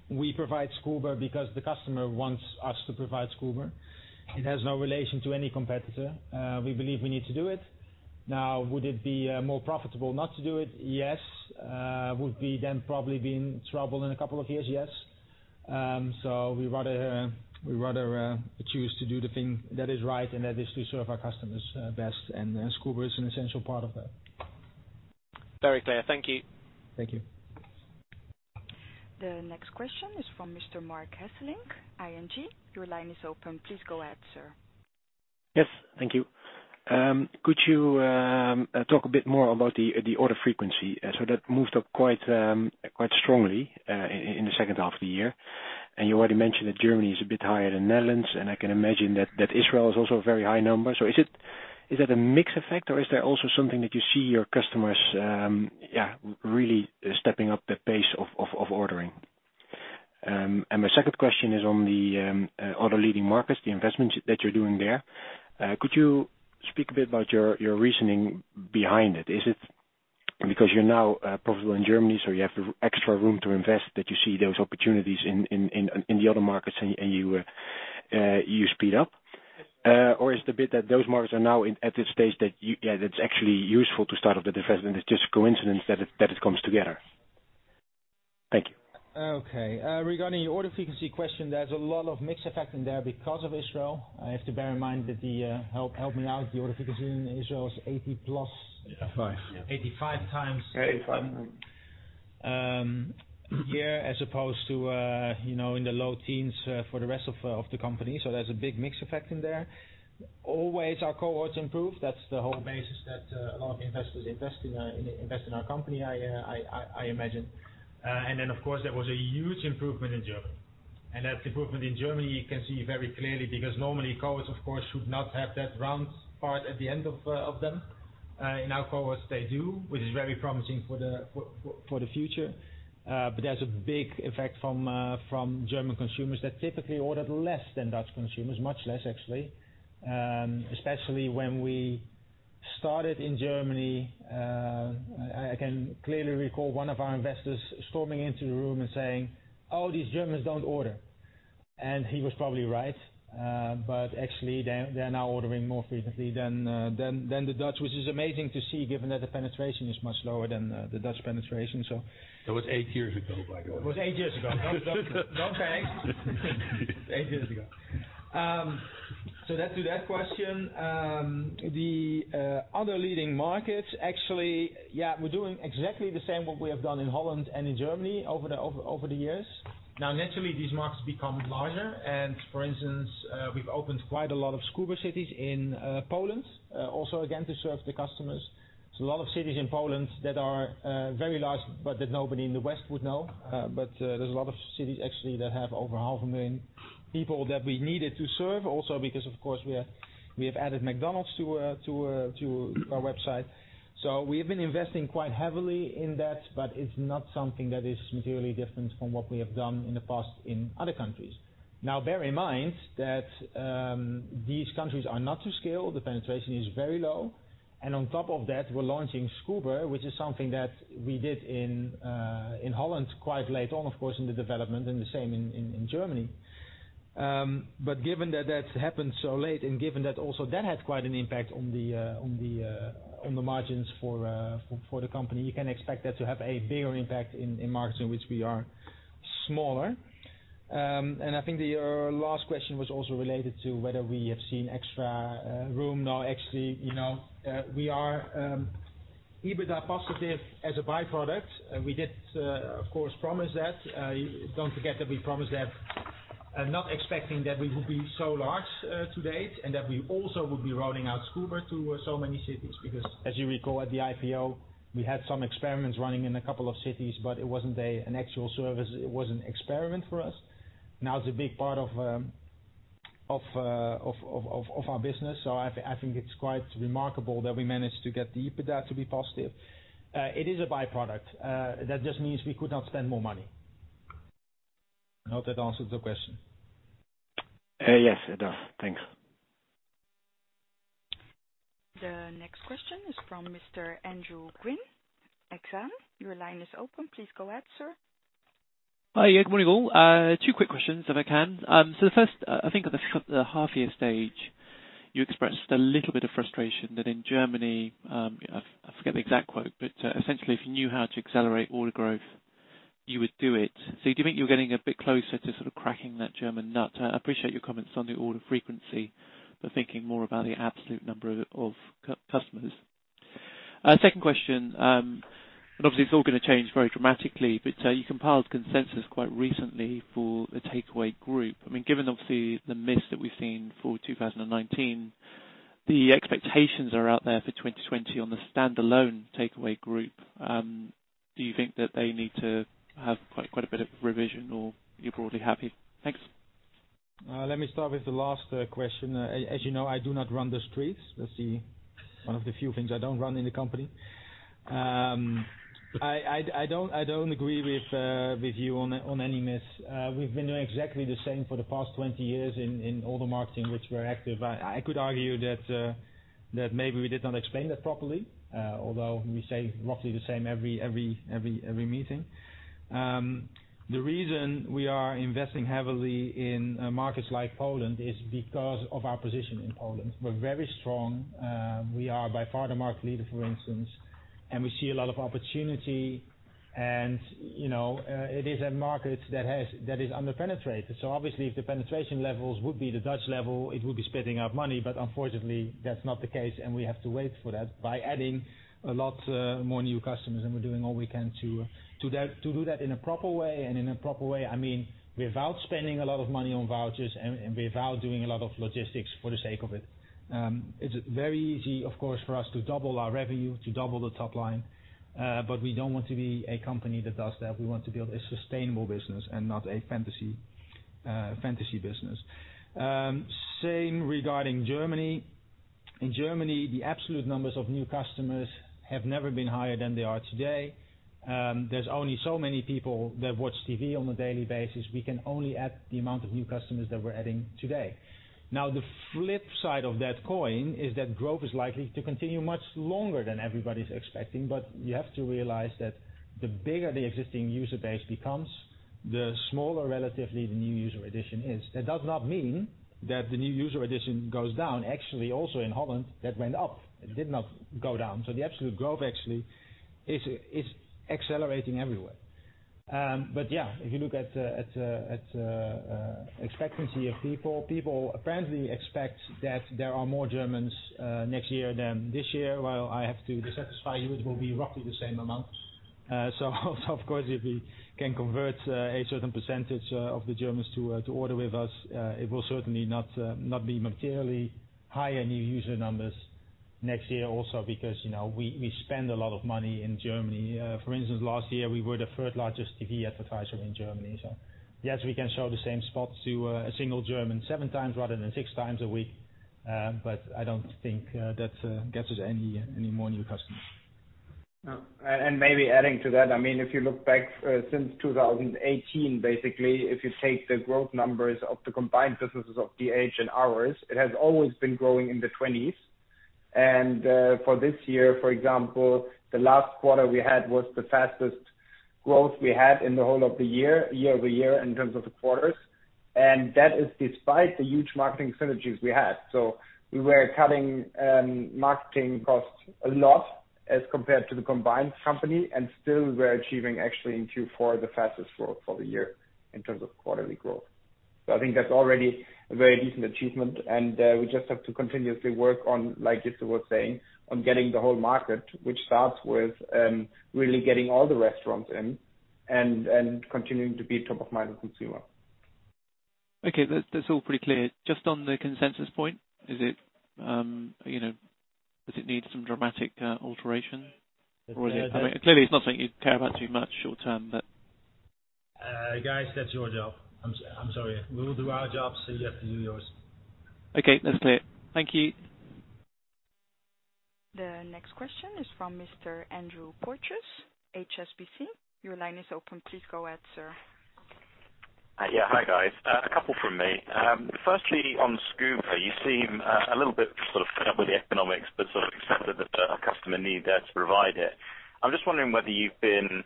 we provide Scoober because the customer wants us to provide Scoober. It has no relation to any competitor. We believe we need to do it. Now, would it be more profitable not to do it? Yes. Would we probably be in trouble in a couple of years? Yes. We'd rather choose to do the thing that is right, and that is to serve our customers best, and Scoober is an essential part of that. Very clear. Thank you. Thank you. The next question is from Mr. Marc Hesselink, ING. Your line is open. Please go ahead, sir. Yes. Thank you. Could you talk a bit more about the order frequency? That moved up quite strongly in the second half of the year. You already mentioned that Germany is a bit higher than Netherlands, and I can imagine that Israel is also a very high number. Is that a mix effect or is there also something that you see your customers really stepping up the pace of ordering? My second question is on the other leading markets, the investments that you're doing there. Could you speak a bit about your reasoning behind it? Is it because you're now profitable in Germany, so you have extra room to invest that you see those opportunities in the other markets and you speed up? Is the bit that those markets are now at the stage that it's actually useful to start up the investment, it's just a coincidence that it comes together. Thank you. Okay. Regarding your order frequency question, there's a lot of mix effect in there because of Israel. I have to bear in mind that. Help me out. The order frequency in Israel is 80+. Five. 85 times Eighty-five Here, as opposed to in the low teens for the rest of the company. There's a big mix effect in there. Always our cohorts improve. That's the whole basis that a lot of investors invest in our company, I imagine. Then, of course, there was a huge improvement in Germany. That improvement in Germany, you can see very clearly, because normally cohorts, of course, should not have that round part at the end of them. In our cohorts, they do, which is very promising for the future. There's a big effect from German consumers that typically ordered less than Dutch consumers, much less actually. Especially when we started in Germany, I can clearly recall one of our investors storming into the room and saying, "Oh, these Germans don't order." He was probably right. Actually, they're now ordering more frequently than the Dutch, which is amazing to see given that the penetration is much lower than the Dutch penetration. That was eight years ago, by the way. It was eight years ago. Don't say anything. eight years ago. To that question, the other leading markets, actually, we're doing exactly the same what we have done in Holland and in Germany over the years. Naturally, these markets become larger. For instance, we've opened quite a lot of Scoober cities in Poland, also, again, to serve the customers. There's a lot of cities in Poland that are very large, but that nobody in the West would know. There's a lot of cities actually that have over half a million people that we needed to serve also because, of course, we have added McDonald's to our website. We have been investing quite heavily in that, but it's not something that is materially different from what we have done in the past in other countries. Bear in mind that these countries are not to scale. The penetration is very low. On top of that, we're launching Scoober, which is something that we did in Holland quite late on, of course, in the development, and the same in Germany. Given that happened so late and given that also that had quite an impact on the margins for the company, you can expect that to have a bigger impact in markets in which we are smaller. I think your last question was also related to whether we have seen extra room. No, actually, we are EBITDA positive as a byproduct. We did, of course, promise that. Don't forget that we promised that, not expecting that we would be so large to date, and that we also would be rolling out Scoober to so many cities because, as you recall at the IPO, we had some experiments running in a couple of cities, but it wasn't an actual service. It was an experiment for us. Now it's a big part of our business. I think it's quite remarkable that we managed to get the EBITDA to be positive. It is a byproduct. That just means we could not spend more money. I hope that answers your question. Yes, it does. Thanks. The next question is from Mr. Andrew Gwynn, Exane. Your line is open. Please go ahead, sir. Hi, good morning, all. Two quick questions if I can. The first, I think at the half year stage, you expressed a little bit of frustration that in Germany, I forget the exact quote, but essentially, if you knew how to accelerate order growth, you would do it. Do you think you're getting a bit closer to sort of cracking that German nut? I appreciate your comments on the order frequency, but thinking more about the absolute number of customers. Second question, obviously it's all going to change very dramatically, but you compiled consensus quite recently for the Takeaway group. Given obviously the miss that we've seen for 2019, the expectations are out there for 2020 on the standalone Takeaway group. Do you think that they need to have quite a bit of revision, or you're broadly happy? Thanks. Let me start with the last question. As you know, I do not run the streets. That's one of the few things I don't run in the company. I don't agree with you on any miss. We've been doing exactly the same for the past 20 years in all the marketing which we're active. I could argue that maybe we did not explain that properly, although we say roughly the same every meeting. The reason we are investing heavily in markets like Poland is because of our position in Poland. We're very strong. We are by far the market leader, for instance, and we see a lot of opportunity, and it is a market that is under-penetrated. Obviously, if the penetration levels would be the Dutch level, it would be spitting out money, but unfortunately, that's not the case, and we have to wait for that by adding a lot more new customers, and we're doing all we can to do that in a proper way, and in a proper way, I mean, without spending a lot of money on vouchers and without doing a lot of logistics for the sake of it. It's very easy, of course, for us to double our revenue, to double the top line. We don't want to be a company that does that. We want to build a sustainable business and not a fantasy business. Same regarding Germany. In Germany, the absolute numbers of new customers have never been higher than they are today. There's only so many people that watch TV on a daily basis. We can only add the amount of new customers that we're adding today. The flip side of that coin is that growth is likely to continue much longer than everybody's expecting. You have to realize that the bigger the existing user base becomes, the smaller relatively the new user addition is. That does not mean that the new user addition goes down. Actually, also in Holland, that went up. It did not go down. The absolute growth actually is accelerating everywhere. Yeah, if you look at expectancy of people apparently expect that there are more Germans next year than this year. Well, I have to dissatisfy you. It will be roughly the same amount. Of course, if we can convert a certain percentage of the Germans to order with us, it will certainly not be materially higher new user numbers next year also because we spend a lot of money in Germany. For instance, last year, we were the third largest TV advertiser in Germany. Yes, we can show the same spot to a single German seven times rather than six times a week, but I don't think that gets us any more new customers. Maybe adding to that, if you look back since 2018, basically, if you take the growth numbers of the combined businesses of DH and ours, it has always been growing in the 20s. For this year, for example, the last quarter we had was the fastest growth we had in the whole of the year-over-year in terms of the quarters. That is despite the huge marketing synergies we had. We were cutting marketing costs a lot as compared to the combined company. Still we're achieving actually into Q4 the fastest growth for the year in terms of quarterly growth. I think that's already a very decent achievement, and we just have to continuously work on, like Jitse was saying, on getting the whole market, which starts with really getting all the restaurants in and continuing to be top of mind with consumer. Okay. That's all pretty clear. Just on the consensus point, does it need some dramatic alteration? Clearly, it's not something you care about too much short term. Guys, that's your job. I'm sorry. We will do our jobs, so you have to do yours. Okay. That's clear. Thank you. The next question is from Mr. Andrew Porteous, HSBC. Your line is open. Please go ahead, sir. Yeah. Hi, guys. A couple from me. Firstly, on Scoober, you seem a little bit fed up with the economics, but sort of accepted that our customer need there to provide it. I'm just wondering whether you've been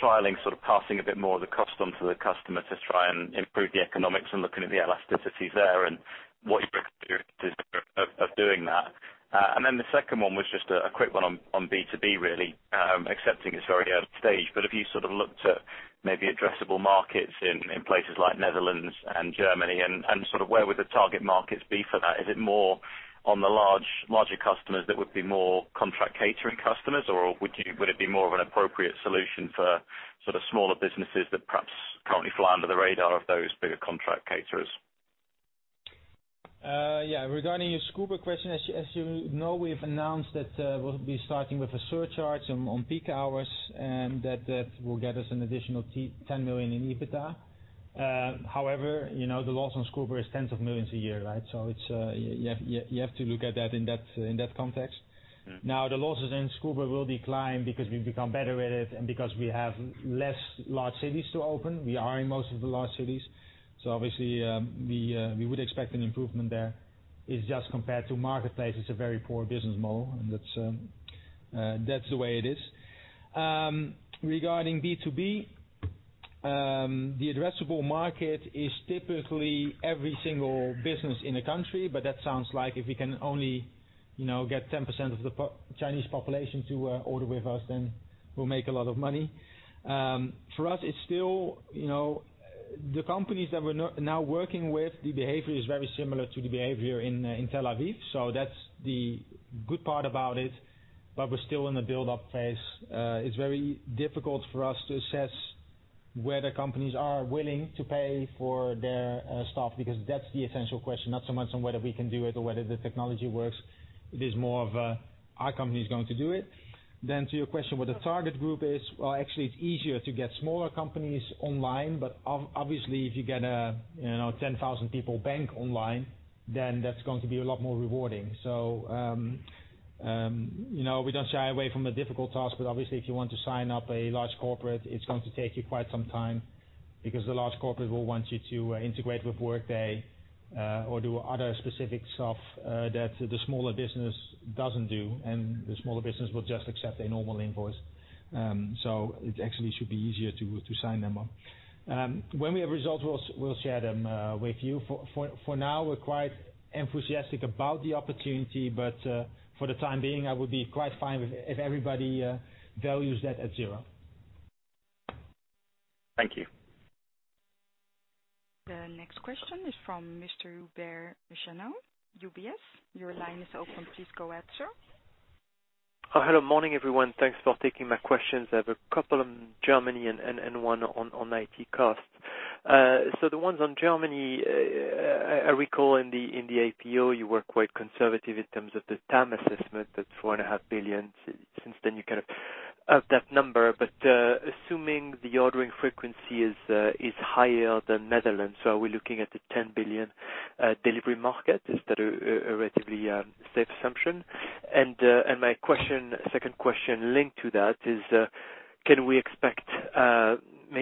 trialing sort of passing a bit more of the custom to the customer to try and improve the economics and looking at the elasticities there and what you're expecting of doing that. The second one was just a quick one on B2B, really, accepting it's very early stage, but have you looked at maybe addressable markets in places like Netherlands and Germany and where would the target markets be for that? Is it more on the larger customers that would be more contract catering customers or would it be more of an appropriate solution for smaller businesses that perhaps currently fly under the radar of those bigger contract caterers? Yeah. Regarding your Scoober question, as you know, we've announced that we'll be starting with a surcharge on peak hours. That will get us an additional 10 million in EBITDA. However, the loss on Scoober is tens of millions a year, right? You have to look at that in that context. Now, the losses in Scoober will decline because we've become better at it and because we have less large cities to open. We are in most of the large cities. Obviously, we would expect an improvement there. It's just compared to Marketplace, it's a very poor business model, and that's the way it is. Regarding B2B, the addressable market is typically every single business in a country, but that sounds like if we can only get 10% of the Chinese population to order with us, then we'll make a lot of money. For us, the companies that we're now working with, the behavior is very similar to the behavior in Tel Aviv. That's the good part about it, but we're still in the build-up phase. It's very difficult for us to assess whether companies are willing to pay for their stuff, because that's the essential question, not so much on whether we can do it or whether the technology works. It is more of are companies going to do it? To your question, what the target group is? Well, actually, it's easier to get smaller companies online, but obviously, if you get a 10,000 people bank online, then that's going to be a lot more rewarding. We don't shy away from a difficult task, but obviously, if you want to sign up a large corporate, it's going to take you quite some time because the large corporate will want you to integrate with Workday or do other specific stuff that the smaller business doesn't do, and the smaller business will just accept a normal invoice. It actually should be easier to sign them up. When we have results, we'll share them with you. For now, we're quite enthusiastic about the opportunity, but for the time being, I would be quite fine if everybody values that at zero. Thank you. The next question is from Mr. Hubert Jeaneau, UBS. Your line is open, please go ahead, sir. Hello morning, everyone. Thanks for taking my questions. I have a couple on Germany and one on IT costs. The ones on Germany, I recall in the IPO you were quite conservative in terms of the TAM assessment, that four and a half billion. Since then, you kind of upped that number. Assuming the ordering frequency is higher than Netherlands, are we looking at the 10 billion delivery market? Is that a relatively safe assumption? My second question linked to that is can we expect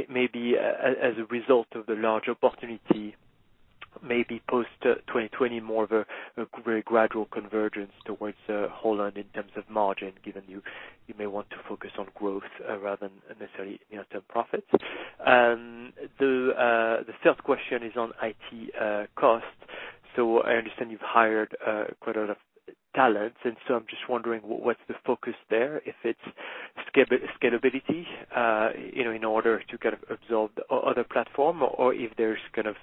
maybe as a result of the large opportunity, maybe post 2020, more of a very gradual convergence towards Holland in terms of margin, given you may want to focus on growth rather than necessarily near-term profits? The third question is on IT costs. I understand you've hired quite a lot of talent. I'm just wondering what's the focus there, if it's scalability in order to kind of absorb the other platform or if there's kind of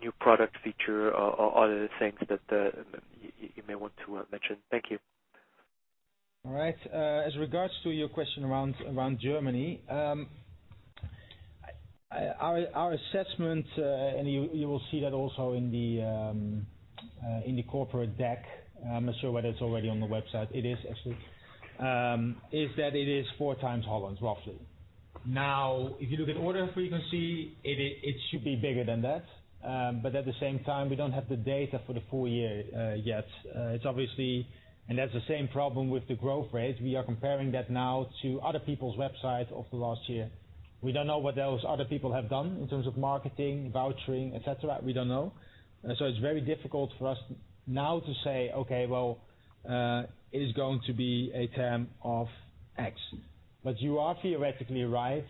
new product feature or other things that you may want to mention. Thank you. All right. As regards to your question around Germany, our assessment, and you will see that also in the corporate deck, I'm not sure whether it's already on the website. It is actually. Is that it is four times Holland, roughly. If you look at order frequency, it should be bigger than that. At the same time, we don't have the data for the full year yet. That's the same problem with the growth rates. We are comparing that now to other people's websites of the last year. We don't know what those other people have done in terms of marketing, vouchering, et cetera. We don't know. It's very difficult for us now to say, okay, well, it is going to be a TAM of X. You are theoretically right.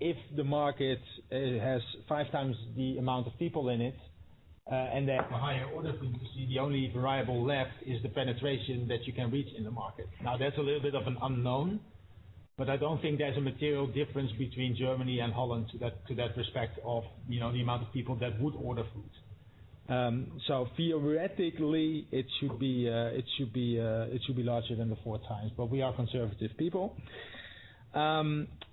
If the market has five times the amount of people in it, and they have a higher order frequency, the only variable left is the penetration that you can reach in the market. That's a little bit of an unknown, but I don't think there's a material difference between Germany and Holland to that respect of the amount of people that would order food. Theoretically, it should be larger than the four times, but we are conservative people.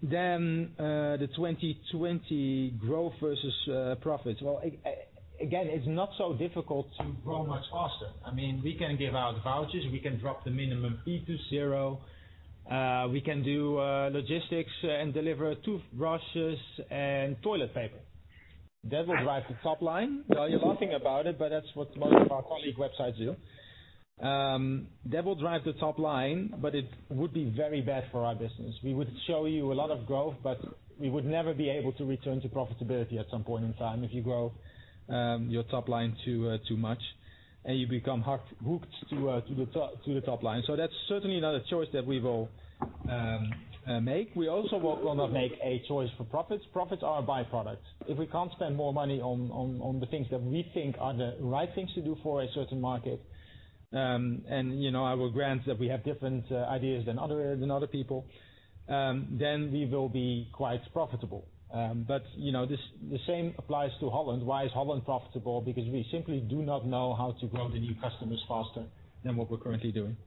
The 2020 growth versus profits. Well, again, it's not so difficult to grow much faster. We can give out vouchers, we can drop the minimum fee to zero. We can do logistics and deliver toothbrushes and toilet paper. That will drive the top line. Well, you're laughing about it, but that's what most of our colleague websites do. That will drive the top line, but it would be very bad for our business. We would show you a lot of growth, but we would never be able to return to profitability at some point in time if you grow your top line too much. You become hooked to the top line. That's certainly not a choice that we will make. We also will not make a choice for profits. Profits are a by-product. If we can't spend more money on the things that we think are the right things to do for a certain market, and I will grant that we have different ideas than other people, then we will be quite profitable. The same applies to Holland. Why is Holland profitable? Because we simply do not know how to grow the new customers faster than what we're currently doing.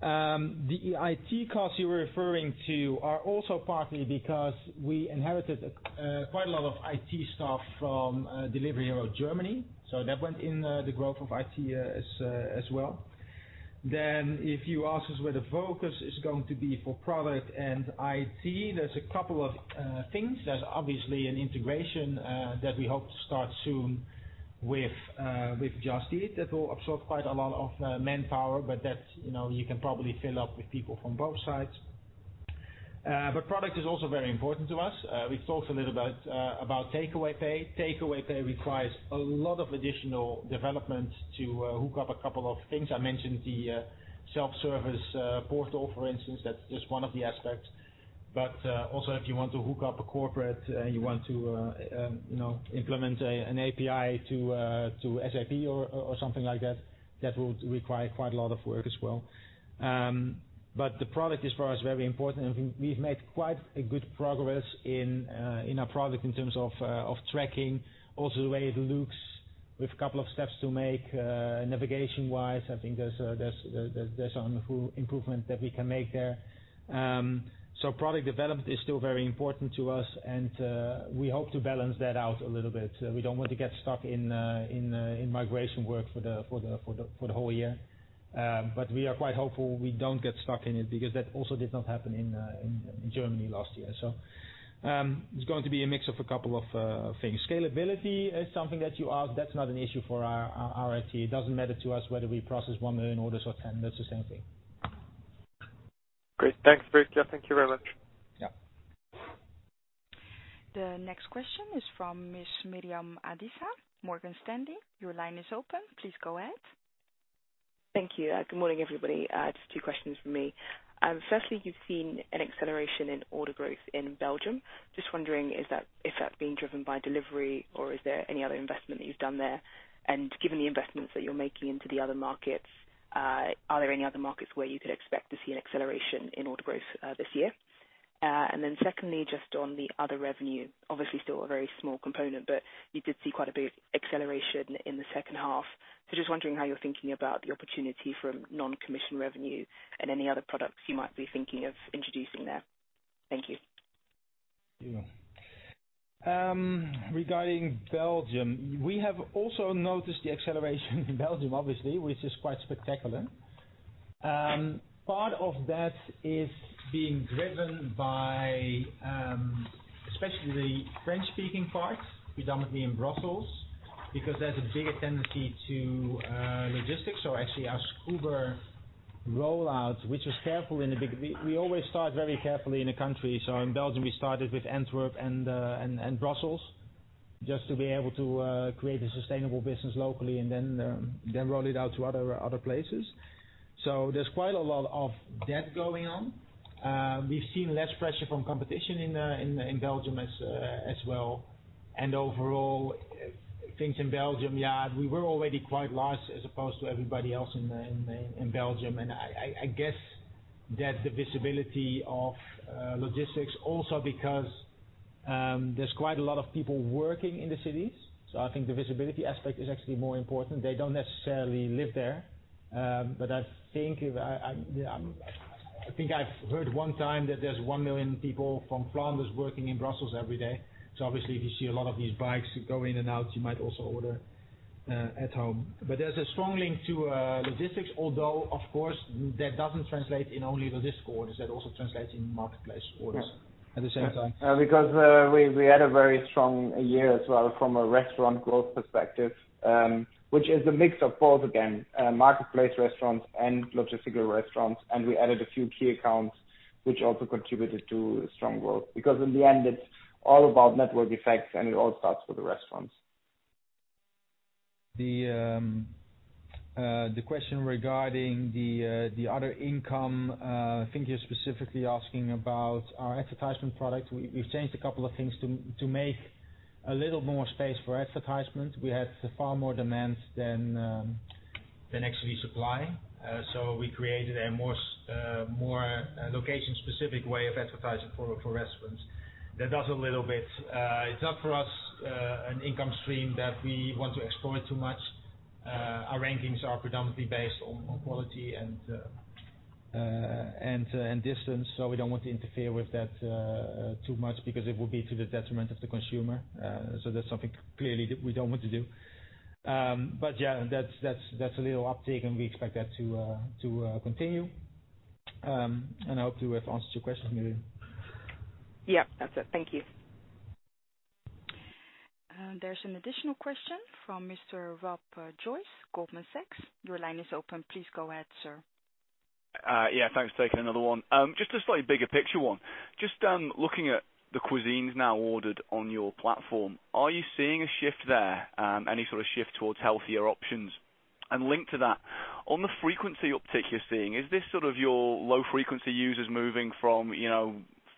The IT costs you were referring to are also partly because we inherited quite a lot of IT staff from Delivery Hero Germany. That went in the growth of IT as well. If you ask us where the focus is going to be for product and IT, there's a couple of things. There's obviously an integration that we hope to start soon with Just Eat that will absorb quite a lot of manpower, but that you can probably fill up with people from both sides. Product is also very important to us. We talked a little about Takeaway Pay. Takeaway Pay requires a lot of additional development to hook up a couple of things. I mentioned the self-service portal, for instance. That's just one of the aspects. Also if you want to hook up a corporate and you want to implement an API to SAP or something like that will require quite a lot of work as well. The product is for us, very important, and we've made quite a good progress in our product in terms of tracking. Also, the way it looks, with a couple of steps to make navigation-wise, I think there's some improvement that we can make there. Product development is still very important to us, and we hope to balance that out a little bit. We don't want to get stuck in migration work for the whole year. We are quite hopeful we don't get stuck in it because that also did not happen in Germany last year. It's going to be a mix of a couple of things. Scalability is something that you asked, that's not an issue for our IT. It doesn't matter to us whether we process 1 million orders or 10. That's the same thing. Great. Thanks, Pieter. Thank you very much. Yeah. The next question is from Miss [Miriam Adisa], Morgan Stanley. Your line is open. Please go ahead. Thank you. Good morning, everybody. Just two questions from me. Firstly, you've seen an acceleration in order growth in Belgium. Just wondering if that's being driven by delivery or is there any other investment that you've done there? Given the investments that you're making into the other markets, are there any other markets where you could expect to see an acceleration in order growth this year? Secondly, just on the other revenue, obviously still a very small component, but you did see quite a big acceleration in the second half. Just wondering how you're thinking about the opportunity for non-commission revenue and any other products you might be thinking of introducing there. Thank you. Thank you. Regarding Belgium, we have also noticed the acceleration in Belgium obviously, which is quite spectacular. Part of that is being driven by especially the French-speaking parts, predominantly in Brussels, because there's a bigger tendency to logistics or actually our Scoober rollout, which was careful in the beginning. We always start very carefully in a country. In Belgium, we started with Antwerp and Brussels just to be able to create a sustainable business locally and then roll it out to other places. There's quite a lot of that going on. We've seen less pressure from competition in Belgium as well. Overall, things in Belgium, yeah, we were already quite large as opposed to everybody else in Belgium. I guess that the visibility of logistics also because there's quite a lot of people working in the cities. I think the visibility aspect is actually more important. They don't necessarily live there. I think I've heard one time that there's 1 million people from Flanders working in Brussels every day. Obviously, if you see a lot of these bikes go in and out, you might also order at home. There's a strong link to logistics, although of course, that doesn't translate in only the Scoober orders. That also translates in marketplace orders at the same time. We had a very strong year as well from a restaurant growth perspective, which is a mix of both, again, marketplace restaurants and logistical restaurants. We added a few key accounts, which also contributed to strong growth because in the end it is all about network effects and it all starts with the restaurants. The question regarding the other income, I think you're specifically asking about our advertisement product. We've changed a couple of things to make a little more space for advertisement. We have far more demand than actually supply. We created a more location-specific way of advertising for restaurants. That does a little bit. It's not for us an income stream that we want to explore too much. Our rankings are predominantly based on quality and distance, so we don't want to interfere with that too much because it would be to the detriment of the consumer. That's something clearly that we don't want to do. Yeah, that's a little uptick and we expect that to continue. I hope to have answered your question, Miriam. Yeah. That's it. Thank you. There is an additional question from Mr. Rob Joyce, Goldman Sachs. Your line is open. Please go ahead, sir. Yeah, thanks for taking another one. Just a slightly bigger picture one. Just looking at the cuisines now ordered on your platform, are you seeing a shift there? Any sort of shift towards healthier options? Linked to that, on the frequency uptick you're seeing, is this sort of your low frequency users moving from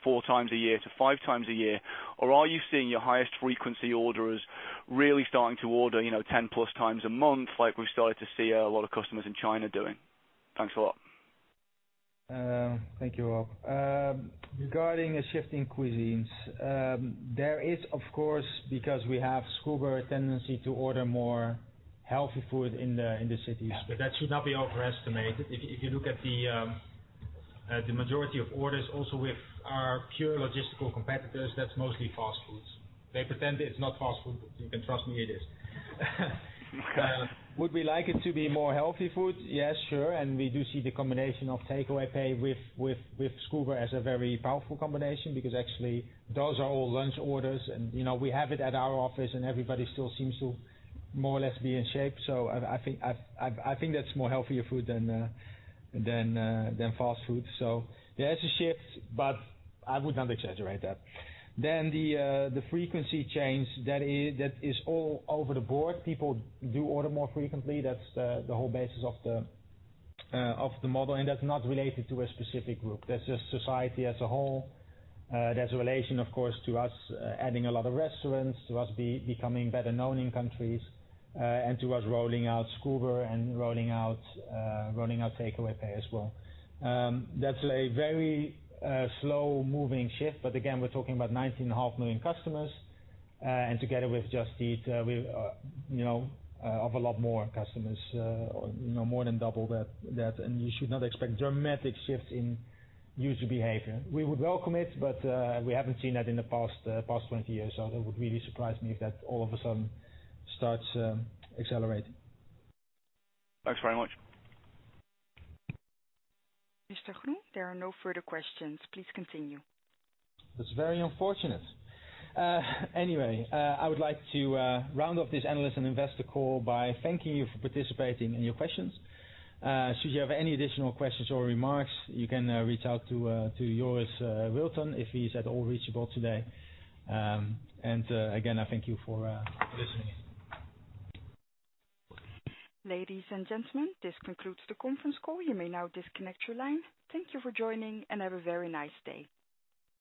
4 times a year to 5 times a year, or are you seeing your highest frequency orders really starting to order 10+ times a month, like we've started to see a lot of customers in China doing? Thanks a lot. Thank you, Rob. Regarding a shift in cuisines, there is, of course, because we have Scoober, a tendency to order more healthy food in the cities. That should not be overestimated. If you look at the majority of orders, also with our pure logistical competitors, that's mostly fast foods. They pretend it's not fast food, but you can trust me, it is. Would we like it to be more healthy food? Yeah, sure. We do see the combination of Takeaway Pay with Scoober as a very powerful combination because actually those are all lunch orders, and we have it at our office and everybody still seems to more or less be in shape. I think that's more healthier food than fast food. There is a shift, but I would not exaggerate that. The frequency change, that is all over the board. People do order more frequently. That's the whole basis of the model, and that's not related to a specific group. That's just society as a whole. There's a relation, of course, to us adding a lot of restaurants, to us becoming better known in countries, and to us rolling out Scoober and rolling out Takeaway Pay as well. That's a very slow-moving shift. But again, we're talking about 19.5 million customers, and together with Just Eat, we have a lot more customers, more than double that, and you should not expect dramatic shifts in user behavior. We would welcome it, but we haven't seen that in the past 20 years, so that would really surprise me if that all of a sudden starts accelerating. Thanks very much. Mr. Groen, there are no further questions. Please continue. That's very unfortunate. Anyway, I would like to round off this analyst and investor call by thanking you for participating and your questions. Should you have any additional questions or remarks, you can reach out to Joris Wilton, if he's at all reachable today. Again, I thank you for listening in. Ladies and gentlemen, this concludes the conference call. You may now disconnect your line. Thank you for joining, and have a very nice day.